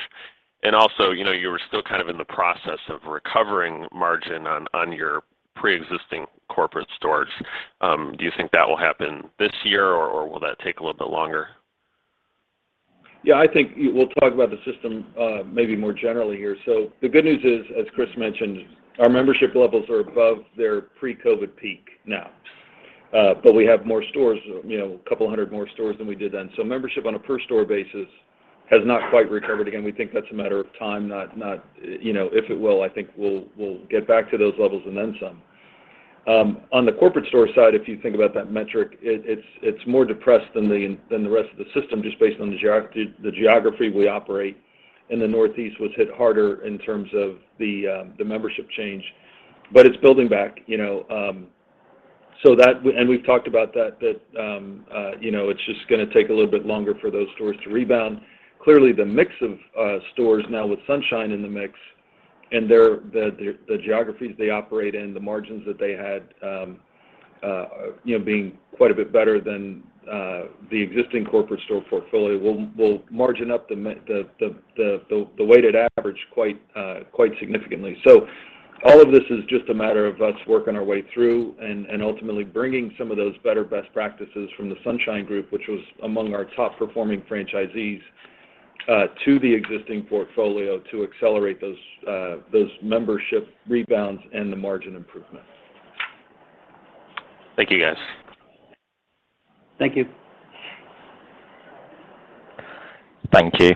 Also, you know, you were still kind of in the process of recovering margin on your preexisting corporate stores. Do you think that will happen this year, or will that take a little bit longer? Yeah, I think we'll talk about the system, maybe more generally here. So the good news is, as Chris mentioned, our membership levels are above their pre-COVID peak now, but we have more stores, you know, 200 more stores than we did then. So membership on a per store basis has not quite recovered. Again, we think that's a matter of time, not you know, if it will. I think we'll get back to those levels and then some. On the corporate store side, if you think about that metric, it's more depressed than the rest of the system, just based on the geography we operate. The Northeast was hit harder in terms of the membership change, but it's building back, you know, so that. We've talked about that, you know, it's just gonna take a little bit longer for those stores to rebound. Clearly, the mix of stores now with Sunshine in the mix and their geographies they operate in, the margins that they had, you know, being quite a bit better than the existing corporate store portfolio will margin up the weighted average quite significantly. All of this is just a matter of us working our way through and ultimately bringing some of those better best practices from the Sunshine Group, which was among our top performing franchisees, to the existing portfolio to accelerate those membership rebounds and the margin improvement. Thank you, guys. Thank you. Thank you.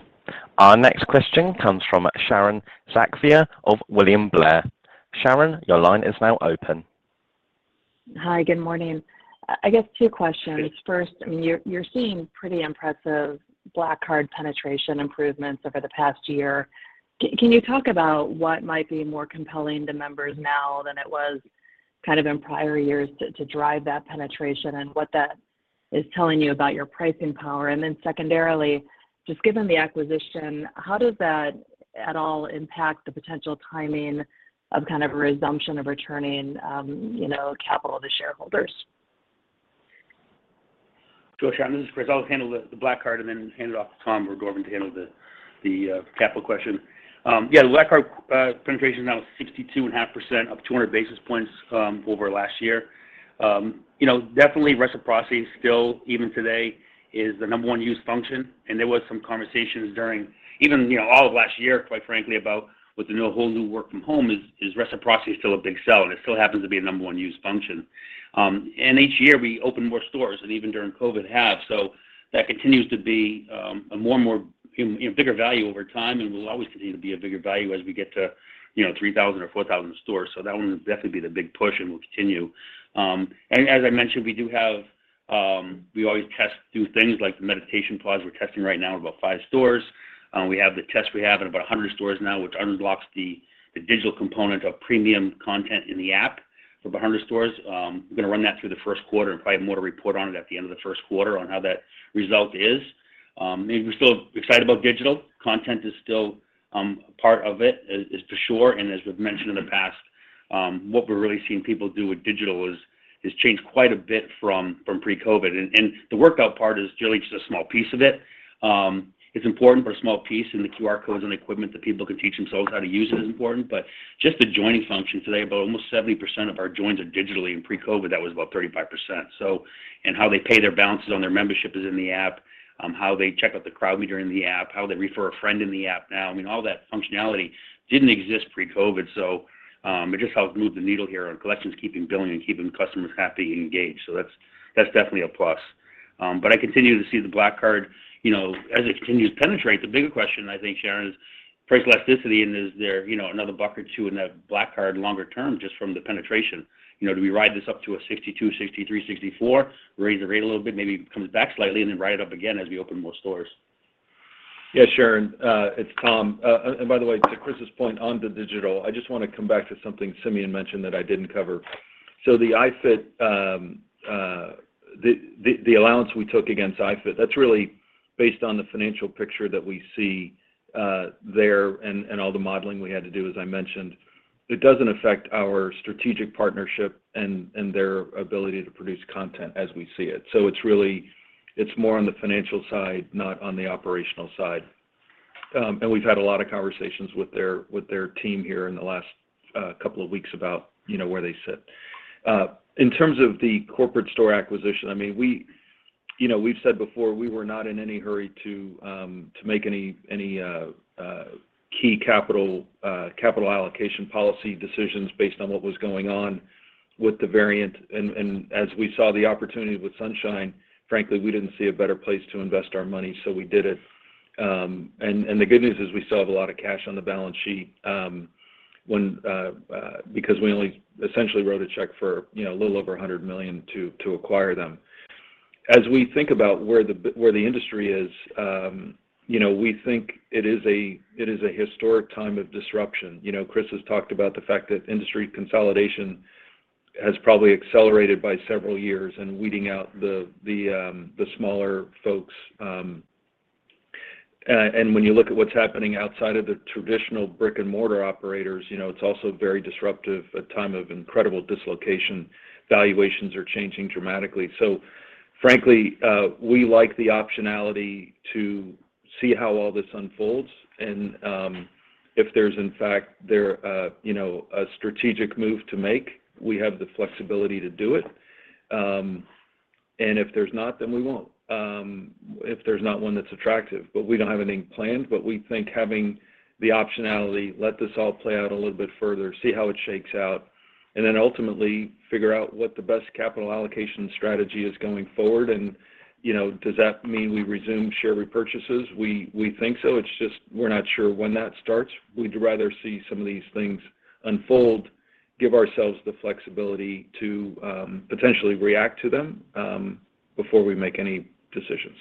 Our next question comes from Sharon Zackfia of William Blair. Sharon, your line is now open. Hi. Good morning. I guess two questions. First, I mean, you're seeing pretty impressive Black Card penetration improvements over the past year. Can you talk about what might be more compelling to members now than it was kind of in prior years to drive that penetration and what that is telling you about your pricing power? Then secondarily, just given the acquisition, how does that at all impact the potential timing of kind of a resumption of returning capital to shareholders? Sure, Sharon. This is Chris. I'll handle the Black Card and then hand it off to Tom or Gordon to handle the capital question. Yeah, the Black Card penetration is now 62.5%, up 200 basis points over last year. You know, definitely reciprocity still, even today, is the number one use function, and there was some conversations during even you know, all of last year, quite frankly, about with the new whole new work from home is reciprocity still a big sell, and it still happens to be a number one use function. Each year, we open more stores, and even during COVID, have. That continues to be a more and more, you know, bigger value over time and will always continue to be a bigger value as we get to, you know, 3,000 or 4,000 stores. That one will definitely be the big push, and we'll continue. As I mentioned, we do have, we always test new things like the meditation pods we're testing right now in about five stores. We have the test in about 100 stores now, which unblocks the digital component of premium content in the app for about 100 stores. We're gonna run that through the first quarter and probably have more to report on it at the end of the first quarter on how that result is. Maybe we're still excited about digital. Content is still a part of it, for sure, and as we've mentioned in the past, what we're really seeing people do with digital has changed quite a bit from pre-COVID. The workout part is really just a small piece of it. It's important for a small piece, and the QR codes and equipment that people can teach themselves how to use it is important, but just the joining function today, almost 70% of our joins are digitally, and pre-COVID, that was about 35%. How they pay their balances on their membership is in the app, how they check out the Crowd Meter in the app, how they refer a friend in the app now. I mean, all that functionality didn't exist pre-COVID, so it just helps move the needle here on collections keeping billing and keeping customers happy and engaged. That's definitely a plus, but I continue to see the Black Card, you know, as it continues to penetrate, the bigger question I think, Sharon, is price elasticity and is there, you know, $1 or $2 in that Black Card longer term just from the penetration. You know, do we ride this up to a 62%, 63%, 64%, raise the rate a little bit, maybe it comes back slightly, and then ride it up again as we open more stores. Yeah, Sharon, it's Tom. By the way, to Chris's point on the digital, I just wanna come back to something Simeon mentioned that I didn't cover. The iFIT allowance we took against iFIT, that's really based on the financial picture that we see there and all the modeling we had to do, as I mentioned. It doesn't affect our strategic partnership and their ability to produce content as we see it. It's really more on the financial side, not on the operational side. We've had a lot of conversations with their team here in the last couple of weeks about, you know, where they sit. In terms of the corporate store acquisition, I mean, we, you know, we've said before, we were not in any hurry to make any key capital allocation policy decisions based on what was going on with the variant. As we saw the opportunity with Sunshine, frankly, we didn't see a better place to invest our money, so we did it. The good news is we still have a lot of cash on the balance sheet, because we only essentially wrote a check for, you know, a little over $100 million to acquire them. As we think about where the industry is, you know, we think it is a historic time of disruption. You know, Chris has talked about the fact that industry consolidation has probably accelerated by several years and weeding out the smaller folks. When you look at what's happening outside of the traditional brick-and-mortar operators, you know, it's also very disruptive, a time of incredible dislocation. Valuations are changing dramatically. Frankly, we like the optionality to see how all this unfolds. If there's, in fact, you know, a strategic move to make, we have the flexibility to do it. If there's not, then we won't, if there's not one that's attractive. We don't have anything planned, but we think having the optionality, let this all play out a little bit further, see how it shakes out, and then ultimately figure out what the best capital allocation strategy is going forward. You know, does that mean we resume share repurchases? We think so. It's just we're not sure when that starts. We'd rather see some of these things unfold, give ourselves the flexibility to, potentially react to them, before we make any decisions.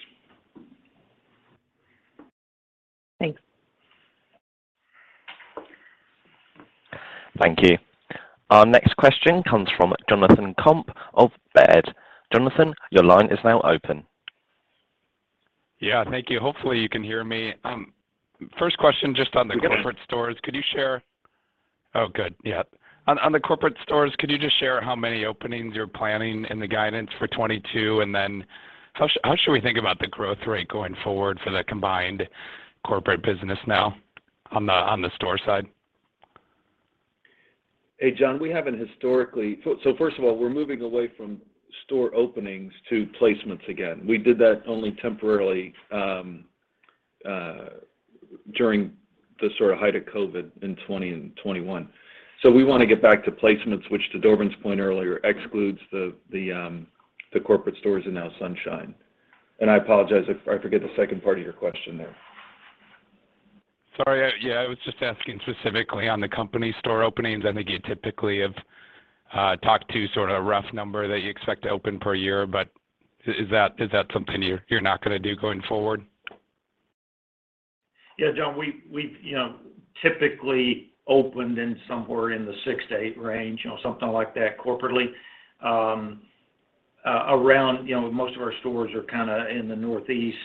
Thanks. Thank you. Our next question comes from Jonathan Komp of Baird. Jonathan, your line is now open. Yeah. Thank you. Hopefully, you can hear me. First question, just on the Oh, good. Yeah. On the corporate stores, could you just share how many openings you're planning in the guidance for 2022? How should we think about the growth rate going forward for the combined corporate business now on the store side? Hey, John. We haven't historically. First of all, we're moving away from store openings to placements again. We did that only temporarily during the sort of height of COVID in 2020 and 2021. We want to get back to placements, which to Dorvin's point earlier excludes the corporate stores and now Sunshine. I apologize if I forget the second part of your question there. Sorry. Yeah, I was just asking specifically on the company store openings. I think you typically have talked to sort of a rough number that you expect to open per year, but is that something you're not gonna do going forward? Yeah, John, we've typically opened somewhere in the 6-8 range, you know, something like that corporately. Around, you know, most of our stores are kinda in the Northeast,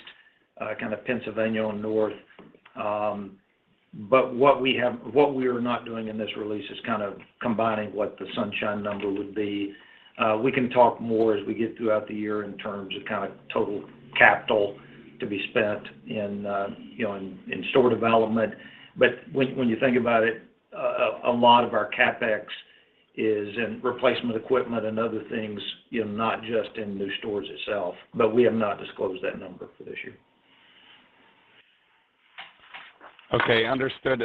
kind of Pennsylvania and north. What we are not doing in this release is kind of combining what the Sunshine number would be. We can talk more as we get throughout the year in terms of kind of total capital to be spent in store development. When you think about it, a lot of our CapEx is in replacement equipment and other things, you know, not just in new stores itself, but we have not disclosed that number for this year. Okay. Understood.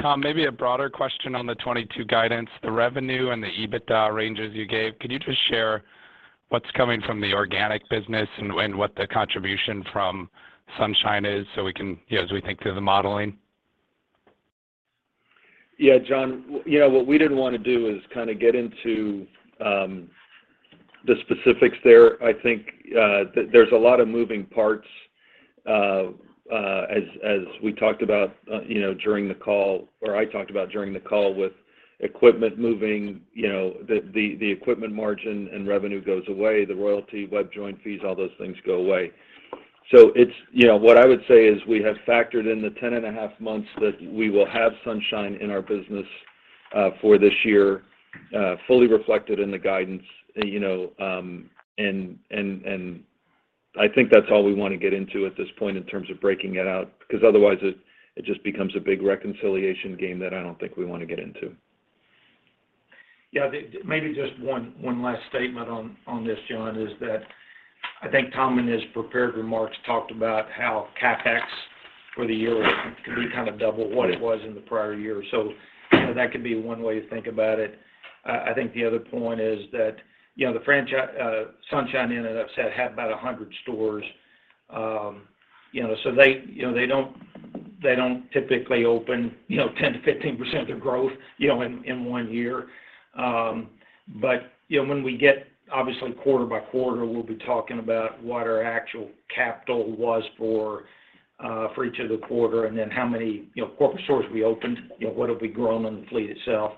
Tom, maybe a broader question on the 2022 guidance, the revenue and the EBITDA ranges you gave. Could you just share what's coming from the organic business and what the contribution from Sunshine is so we can, you know, as we think through the modeling? Yeah, Jon. Yeah, what we didn't want to do is kind of get into the specifics there. I think there's a lot of moving parts as we talked about, you know, during the call or I talked about during the call with equipment moving, you know, the equipment margin and revenue goes away, the royalty, web join fees, all those things go away. You know, what I would say is we have factored in the 10.5 months that we will have Sunshine in our business for this year, fully reflected in the guidance, you know, and I think that's all we wanna get into at this point in terms of breaking it out, because otherwise it just becomes a big reconciliation game that I don't think we wanna get into. Yeah. Maybe just one last statement on this, Jon, is that I think Tom, in his prepared remarks, talked about how CapEx for the year can be kind of double what it was in the prior year. You know, that could be one way to think about it. I think the other point is that, you know, the Sunshine Fitness, as I've said, have about 100 stores, so they, you know, they don't typically open, you know, 10%-15% of their growth, you know, in one year. You know, when we get obviously quarter by quarter, we'll be talking about what our actual capital was for each of the quarter and then how many, you know, corporate stores we opened, you know, what have we grown in the fleet itself.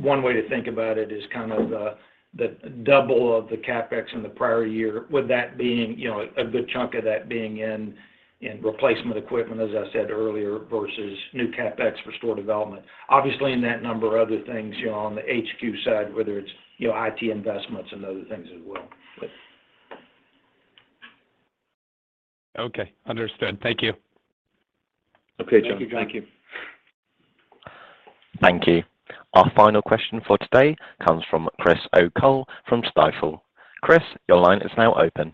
One way to think about it is kind of the double of the CapEx in the prior year, with that being, you know, a good chunk of that being in replacement equipment, as I said earlier, versus new CapEx for store development. Obviously, in that number are other things, you know, on the HQ side, whether it's, you know, IT investments and other things as well. Okay. Understood. Thank you. Okay, John. Thank you, John. Thank you. Thank you. Our final question for today comes from Chris O'Cull from Stifel. Chris, your line is now open.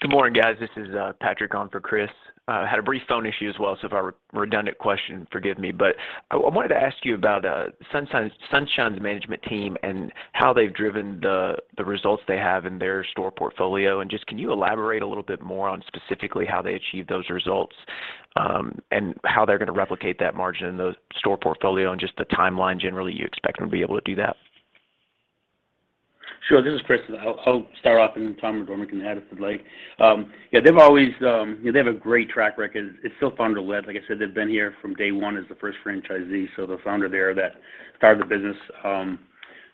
Good morning, guys. This is Patrick on for Chris. Had a brief phone issue as well, so if I have a redundant question, forgive me. I wanted to ask you about Sunshine's management team and how they've driven the results they have in their store portfolio. Just, can you elaborate a little bit more on specifically how they achieve those results, and how they're gonna replicate that margin in the store portfolio and just the timeline generally you expect them to be able to do that? Sure. This is Chris. I'll start off, and then Tom or Dorvin can add if they'd like. Yeah, they've always, you know, they have a great track record. It's still founder-led. Like I said, they've been here from day one as the first franchisee. The founder there that started the business,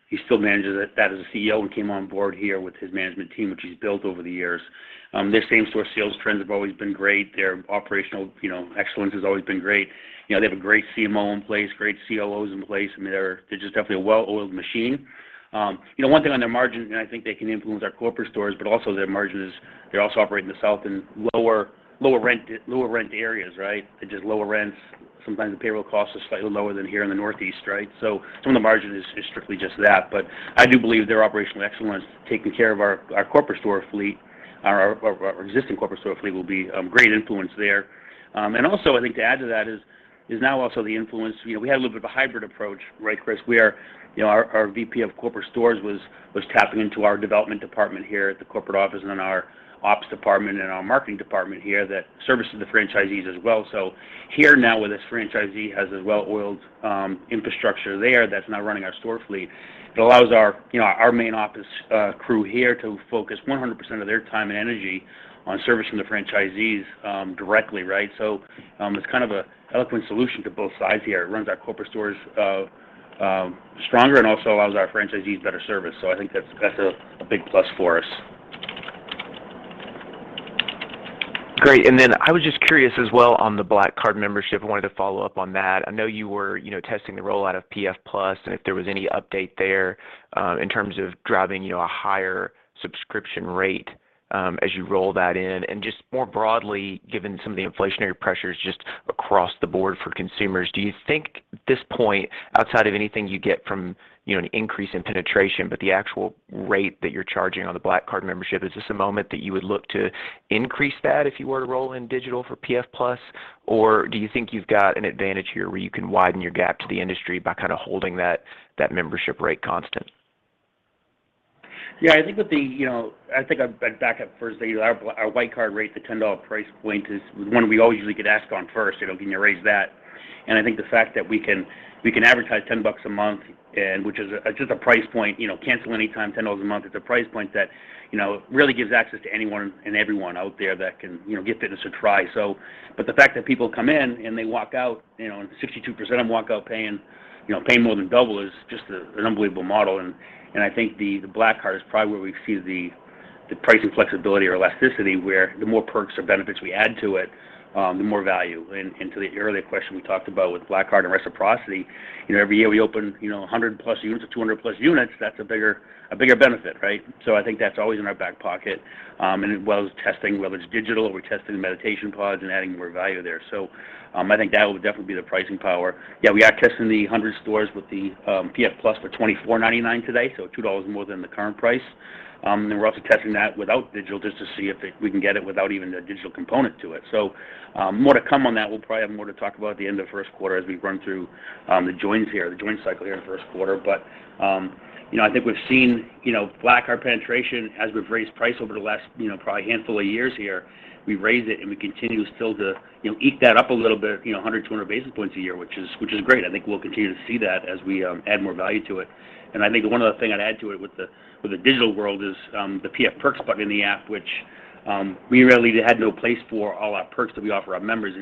he still manages it. That is the CEO and came on board here with his management team, which he's built over the years. Their same-store sales trends have always been great. Their operational, you know, excellence has always been great. You know, they have a great CMO in place, great COOs in place, and they're just definitely a well-oiled machine. You know, one thing on their margin, and I think they can influence our corporate stores, but also their margins. They also operate in the South in lower rent areas, right? They're just lower rents. Sometimes the payroll cost is slightly lower than here in the Northeast, right? Some of the margin is strictly just that. I do believe their operational excellence taking care of our corporate store fleet, our existing corporate store fleet will be a great influence there. Also I think to add to that is now also the influence. You know, we had a little bit of a hybrid approach, right, Chris? We are, you know, our VP of corporate stores was tapping into our development department here at the corporate office and then our ops department and our marketing department here that services the franchisees as well. Here now with this franchisee has a well-oiled infrastructure there that's now running our store fleet. It allows our, you know, our main office crew here to focus 100% of their time and energy on servicing the franchisees directly, right? It's kind of an eloquent solution to both sides here. It runs our corporate stores stronger and also allows our franchisees better service. I think that's a big plus for us. Great. I was just curious as well on the Black Card membership. I wanted to follow up on that. I know you were, you know, testing the rollout of PF+ and if there was any update there, in terms of driving, you know, a higher subscription rate, as you roll that in. Just more broadly, given some of the inflationary pressures just across the board for consumers, do you think this point, outside of anything you get from, you know, an increase in penetration, but the actual rate that you're charging on the Black Card membership, is this a moment that you would look to increase that if you were to roll in digital for PF+? Or do you think you've got an advantage here where you can widen your gap to the industry by kind of holding that membership rate constant? Yeah, I think with the, you know, I think I'd back up first that our Classic Card rate, the $10 price point is one we always usually get asked on first. You know, "Can you raise that?" I think the fact that we can advertise $10 a month, which is a, it's just a price point. You know, cancel anytime, $10 a month. It's a price point that, you know, really gives access to anyone and everyone out there that can, you know, give fitness a try, but the fact that people come in and they walk out, you know, and 62% of them walk out paying more than double is just an unbelievable model. I think the Black Card is probably where we see the pricing flexibility or elasticity, where the more perks or benefits we add to it, the more value. To the earlier question we talked about with Black Card and reciprocity, you know, every year we open, you know, 100+ units or 200+ units, that's a bigger benefit, right? I think that's always in our back pocket. As well as testing, whether it's digital or we're testing the meditation pods and adding more value there. I think that will definitely be the pricing power. Yeah, we are testing the 100 stores with the PF+ for $24.99 today, so $2 more than the current price. We're also testing that without digital just to see if we can get it without even the digital component to it. More to come on that. We'll probably have more to talk about at the end of first quarter as we run through the joins here, the join cycle here in first quarter. You know, I think we've seen, you know, Black Card penetration as we've raised price over the last, you know, probably handful of years here. We raised it, and we continue still to, you know, eat that up a little bit, you know, 100-200 basis points a year, which is great. I think we'll continue to see that as we add more value to it. I think one other thing I'd add to it with the digital world is the PF Perks button in the app, which we really had no place for all our perks that we offer our members.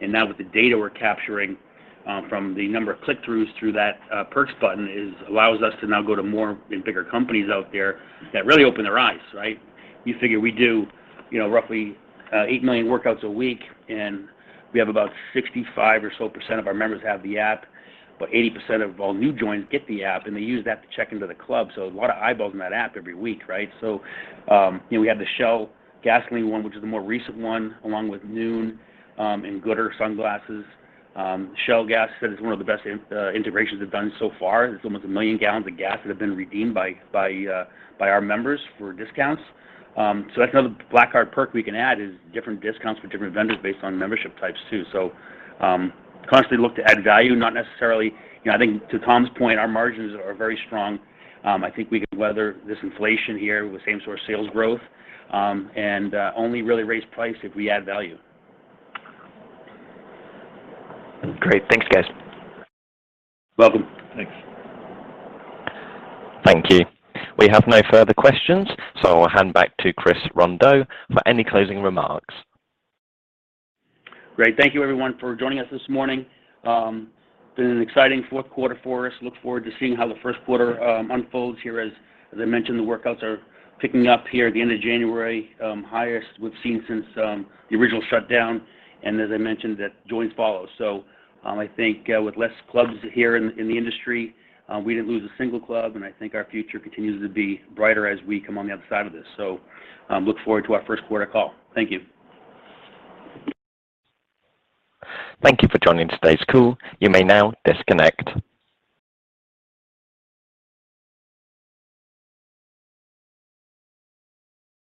Now with the data we're capturing from the number of click-throughs through that perks button allows us to now go to more and bigger companies out there that really open their eyes, right? You figure we do, you know, roughly 8 million workouts a week, and we have about 65% or so of our members have the app. 80% of all new joins get the app, and they use the app to check into the club, so a lot of eyeballs in that app every week, right? We have the Shell gasoline one, which is the more recent one, along with Noon, and Goodr sunglasses. Shell said it's one of the best integrations they've done so far. It's almost 1 million gallons of gas that have been redeemed by our members for discounts. That's another Black Card perk we can add, different discounts for different vendors based on membership types too. We constantly look to add value, not necessarily. You know, I think to Tom's point, our margins are very strong. I think we can weather this inflation here with same store sales growth, and only really raise price if we add value. Great. Thanks, guys. Welcome. Thanks. Thank you. We have no further questions, so I'll hand back to Chris Rondeau for any closing remarks. Great. Thank you everyone for joining us this morning. It's been an exciting fourth quarter for us. Look forward to seeing how the first quarter unfolds here. As I mentioned, the workouts are picking up here at the end of January, highest we've seen since the original shutdown and as I mentioned, the joins follow. I think with less clubs here in the industry, we didn't lose a single club, and I think our future continues to be brighter as we come on the other side of this. Look forward to our first quarter call. Thank you. Thank you for joining today's call. You may now disconnect.